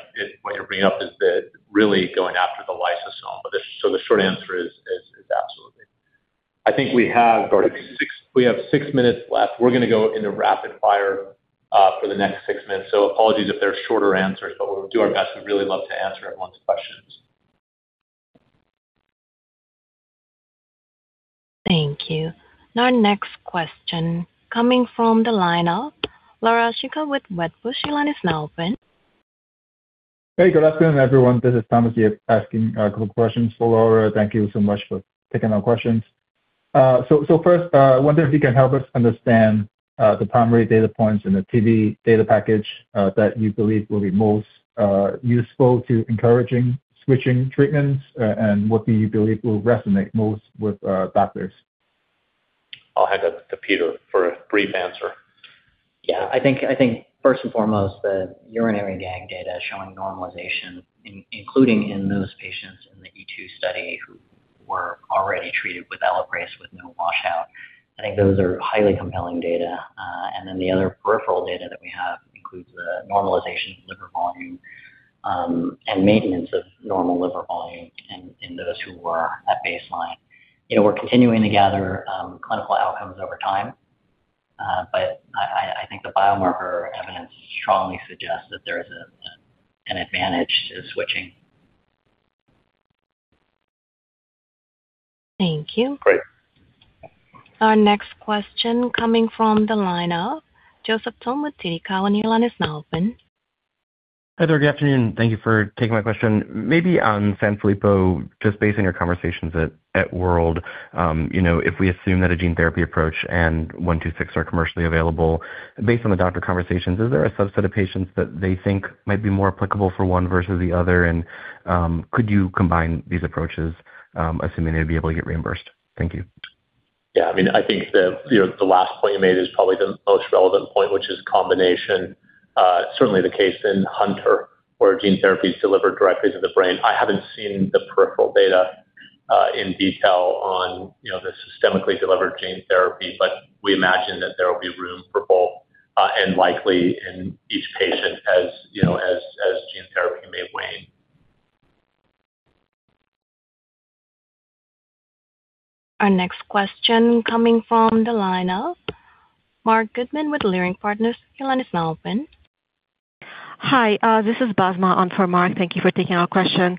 you're bringing up is really going after the lysosome. So the short answer is absolutely. I think we have six minutes left. We're going to go into rapid fire for the next six minutes. So apologies if there are shorter answers, but we'll do our best. We'd really love to answer everyone's questions. Thank you. Our next question coming from the line of Laura Chico with Wedbush. The line is now open. Hey. Good afternoon, everyone. This is Thomas Yip asking a couple of questions for Laura. Thank you so much for taking our questions. So first, I wonder if you can help us understand the primary data points in the TV data package that you believe will be most useful to encouraging switching treatments, and what do you believe will resonate most with doctors? I'll hand it to Peter for a brief answer. Yeah. I think first and foremost, the urinary GAG data showing normalization, including in those patients in the E2 study who were already treated with Elaprase with no washout. I think those are highly compelling data. And then the other peripheral data that we have includes the normalization of liver volume and maintenance of normal liver volume in those who were at baseline. We're continuing to gather clinical outcomes over time, but I think the biomarker evidence strongly suggests that there is an advantage to switching. Thank you. Great. Our next question coming from the line of Joseph Thome with TD Cowen. The line is now open. Hi there. Good afternoon. Thank you for taking my question. Maybe on Sanfilippo, just based on your conversations at WORLD, if we assume that a gene therapy approach and 126 are commercially available, based on the doctor conversations, is there a subset of patients that they think might be more applicable for one versus the other? And could you combine these approaches, assuming they'd be able to get reimbursed? Thank you. Yeah. I mean, I think the last point you made is probably the most relevant point, which is combination. Certainly the case in Hunter, where gene therapy is delivered directly to the brain. I haven't seen the peripheral data in detail on the systemically delivered gene therapy, but we imagine that there will be room for both and likely in each patient as gene therapy may wane. Our next question coming from the line of Marc Goodman with Leerink Partners. The line is now open. Hi. This is Basma on for Mark. Thank you for taking our question.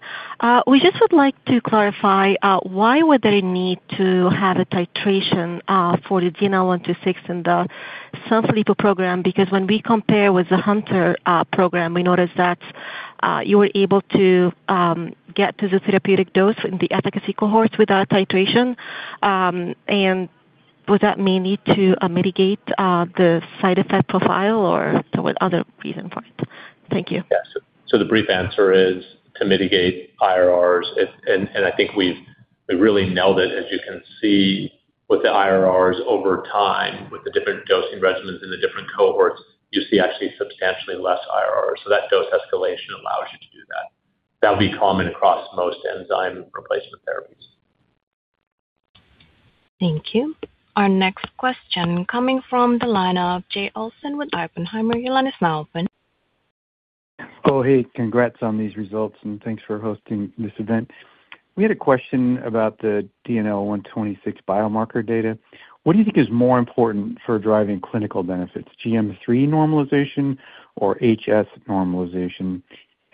We just would like to clarify why would there be need to have a titration for the DNL126 in the Sanfilippo program? Because when we compare with the Hunter program, we noticed that you were able to get to the therapeutic dose in the efficacy cohorts without titration. And would that may need to mitigate the side effect profile, or there was other reason for it? Thank you. Yeah. So the brief answer is to mitigate IRRs. And I think we've really nailed it. As you can see, with the IRRs over time, with the different dosing regimens in the different cohorts, you see actually substantially less IRRs. So that dose escalation allows you to do that. That would be common across most enzyme replacement therapies. Thank you. Our next question coming from the line of Jay Olson with Oppenheimer. The line is now open. Oh, hey. Congrats on these results, and thanks for hosting this event. We had a question about the DNL126 biomarker data. What do you think is more important for driving clinical benefits, GM3 normalization or HS normalization?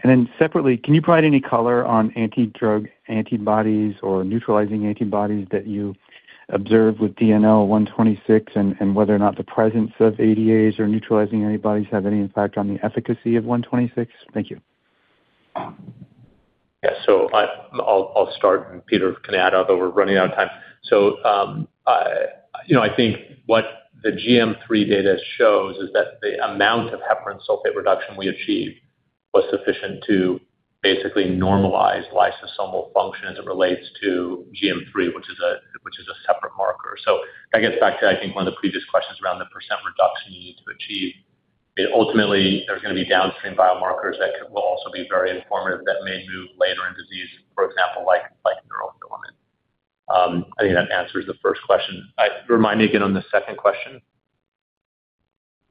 And then separately, can you provide any color on antidrug antibodies or neutralizing antibodies that you observe with DNL126 and whether or not the presence of ADAs or neutralizing antibodies have any impact on the efficacy of 126? Thank you. Yeah. So I'll start, and Peter can add, although we're running out of time. So I think what the GM3 data shows is that the amount of heparan sulfate reduction we achieved was sufficient to basically normalize lysosomal function as it relates to GM3, which is a separate marker. So that gets back to, I think, one of the previous questions around the percent reduction you need to achieve. Ultimately, there's going to be downstream biomarkers that will also be very informative that may move later in disease, for example, like neurofilament. I think that answers the first question. Remind me again on the second question.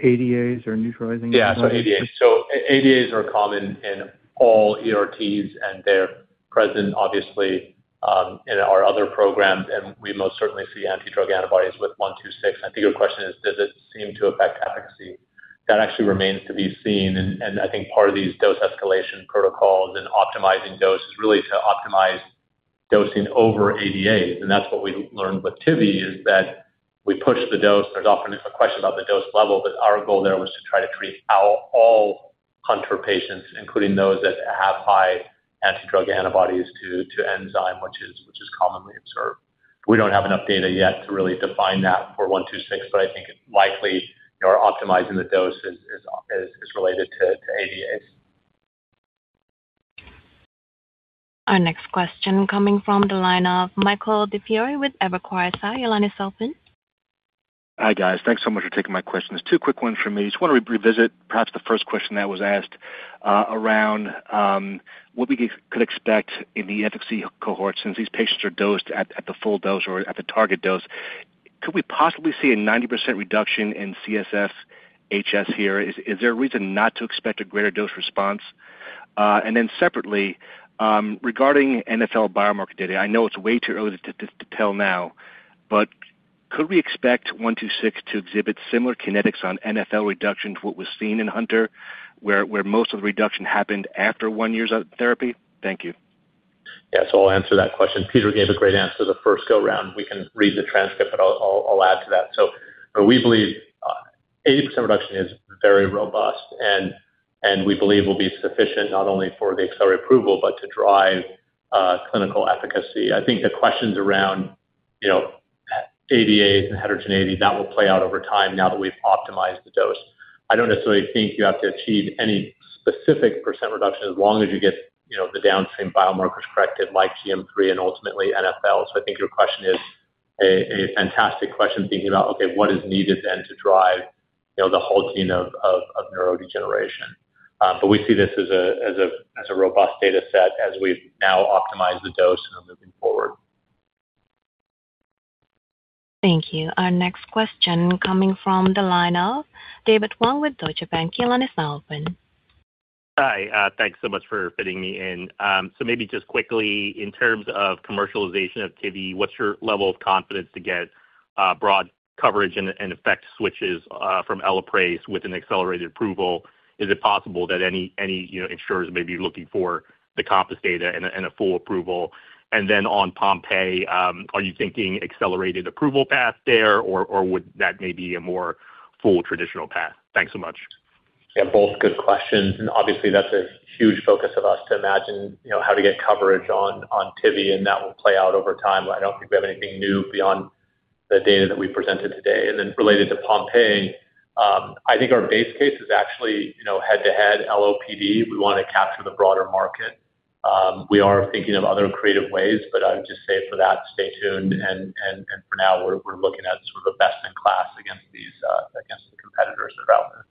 ADAs or neutralizing antibodies? Yeah. So ADAs are common in all ERTs, and they're present, obviously, in our other programs. We most certainly see anti-drug antibodies with 126. I think your question is, does it seem to affect efficacy? That actually remains to be seen. I think part of these dose escalation protocols and optimizing dose is really to optimize dosing over ADAs. That's what we learned with TIVI, is that we push the dose. There's often a question about the dose level, but our goal there was to try to treat all Hunter patients, including those that have high anti-drug antibodies to enzyme, which is commonly observed. We don't have enough data yet to really define that for 126, but I think likely optimizing the dose is related to ADAs. Our next question coming from the line of Michael DiFiore with Evercore ISI. The line is open. Hi, guys. Thanks so much for taking my questions. Two quick ones for me. Just want to revisit perhaps the first question that was asked around what we could expect in the efficacy cohort since these patients are dosed at the full dose or at the target dose. Could we possibly see a 90% reduction in CSF/HS here? Is there a reason not to expect a greater dose response? And then separately, regarding NFL biomarker data, I know it's way too early to tell now, but could we expect 126 to exhibit similar kinetics on NFL reduction to what was seen in Hunter, where most of the reduction happened after one year's therapy? Thank you. Yeah. So I'll answer that question. Peter gave a great answer the first go-round. We can read the transcript, but I'll add to that. So we believe 80% reduction is very robust, and we believe will be sufficient not only for the accelerated approval but to drive clinical efficacy. I think the questions around ADAs and heterogeneity, that will play out over time now that we've optimized the dose. I don't necessarily think you have to achieve any specific percent reduction as long as you get the downstream biomarkers corrected like GM3 and ultimately NFL. So I think your question is a fantastic question thinking about, "Okay, what is needed then to drive the halting of neurodegeneration?" But we see this as a robust data set as we've now optimized the dose and are moving forward. Thank you. Our next question coming from the line of David Hoang with Deutsche Bank. The line is now open. Hi. Thanks so much for fitting me in. So maybe just quickly, in terms of commercialization of tividenofusp alfa, what's your level of confidence to get broad coverage and effect switches from Elaprase with an accelerated approval? Is it possible that any insurers may be looking for the COMPASS data and a full approval? And then on Pompe, are you thinking accelerated approval path there, or would that may be a more full traditional path? Thanks so much. Yeah. Both good questions. And obviously, that's a huge focus of us to imagine how to get coverage on TIVI, and that will play out over time. I don't think we have anything new beyond the data that we presented today. And then related to Pompe, I think our base case is actually head-to-head LOPD. We want to capture the broader market. We are thinking of other creative ways, but I would just say for that, stay tuned. And for now, we're looking at sort of a best-in-class against the competitors that are out there.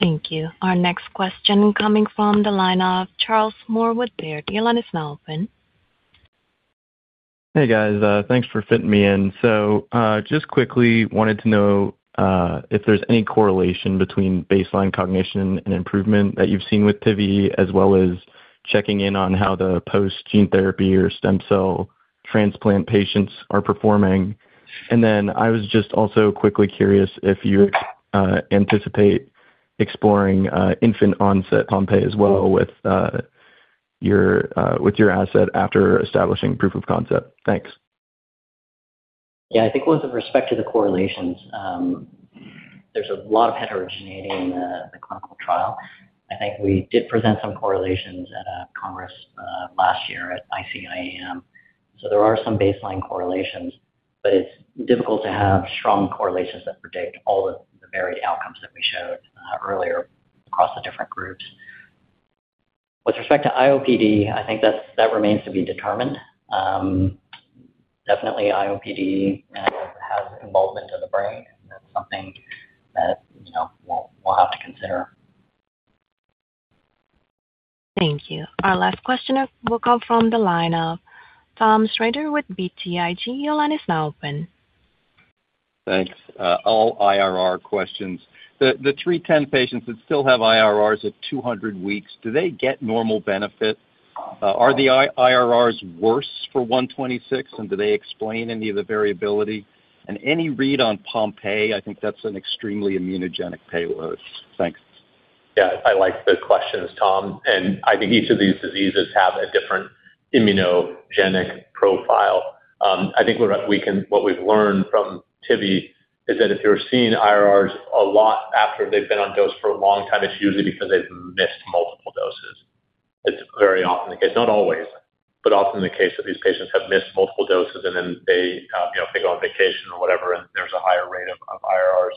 Thank you. Our next question coming from the line of Charles Moore with Baird. The line is now open. Hey, guys. Thanks for fitting me in. So just quickly, wanted to know if there's any correlation between baseline cognition and improvement that you've seen with tividenofusp alfa, as well as checking in on how the post-gene therapy or stem cell transplant patients are performing. And then I was just also quickly curious if you anticipate exploring infant-onset Pompe as well with your asset after establishing proof of concept. Thanks. Yeah. I think with respect to the correlations, there's a lot of heterogeneity in the clinical trial. I think we did present some correlations at Congress last year at ICIEM. So there are some baseline correlations, but it's difficult to have strong correlations that predict all the varied outcomes that we showed earlier across the different groups. With respect to IOPD, I think that remains to be determined. Definitely, IOPD has involvement of the brain, and that's something that we'll have to consider. Thank you. Our last question will come from the line of Tom Shrader with BTIG. The line is now open. Thanks. All IRR questions. The 310 patients that still have IRRs at 200 weeks, do they get normal benefit? Are the IRRs worse for 126, and do they explain any of the variability? And any read on Pompe? I think that's an extremely immunogenic payload. Thanks. Yeah. I like the questions, Tom. I think each of these diseases have a different immunogenic profile. I think what we've learned from TIVI is that if you're seeing IRRs a lot after they've been on dose for a long time, it's usually because they've missed multiple doses. It's very often the case. Not always, but often the case that these patients have missed multiple doses, and then they go on vacation or whatever, and there's a higher rate of IRRs.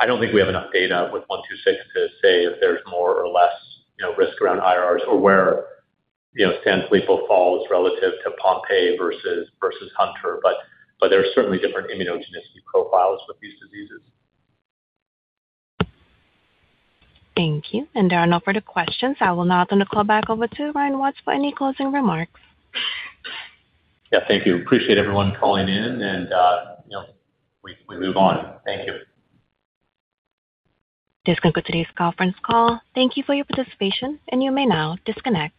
I don't think we have enough data with 126 to say if there's more or less risk around IRRs or where Sanfilippo falls relative to Pompe versus Hunter. But there are certainly different immunogenicity profiles with these diseases. Thank you. There are no further questions. I will now turn the call back over to Ryan Watts for any closing remarks. Yeah. Thank you. Appreciate everyone calling in, and we move on. Thank you. This concludes today's conference call. Thank you for your participation, and you may now disconnect.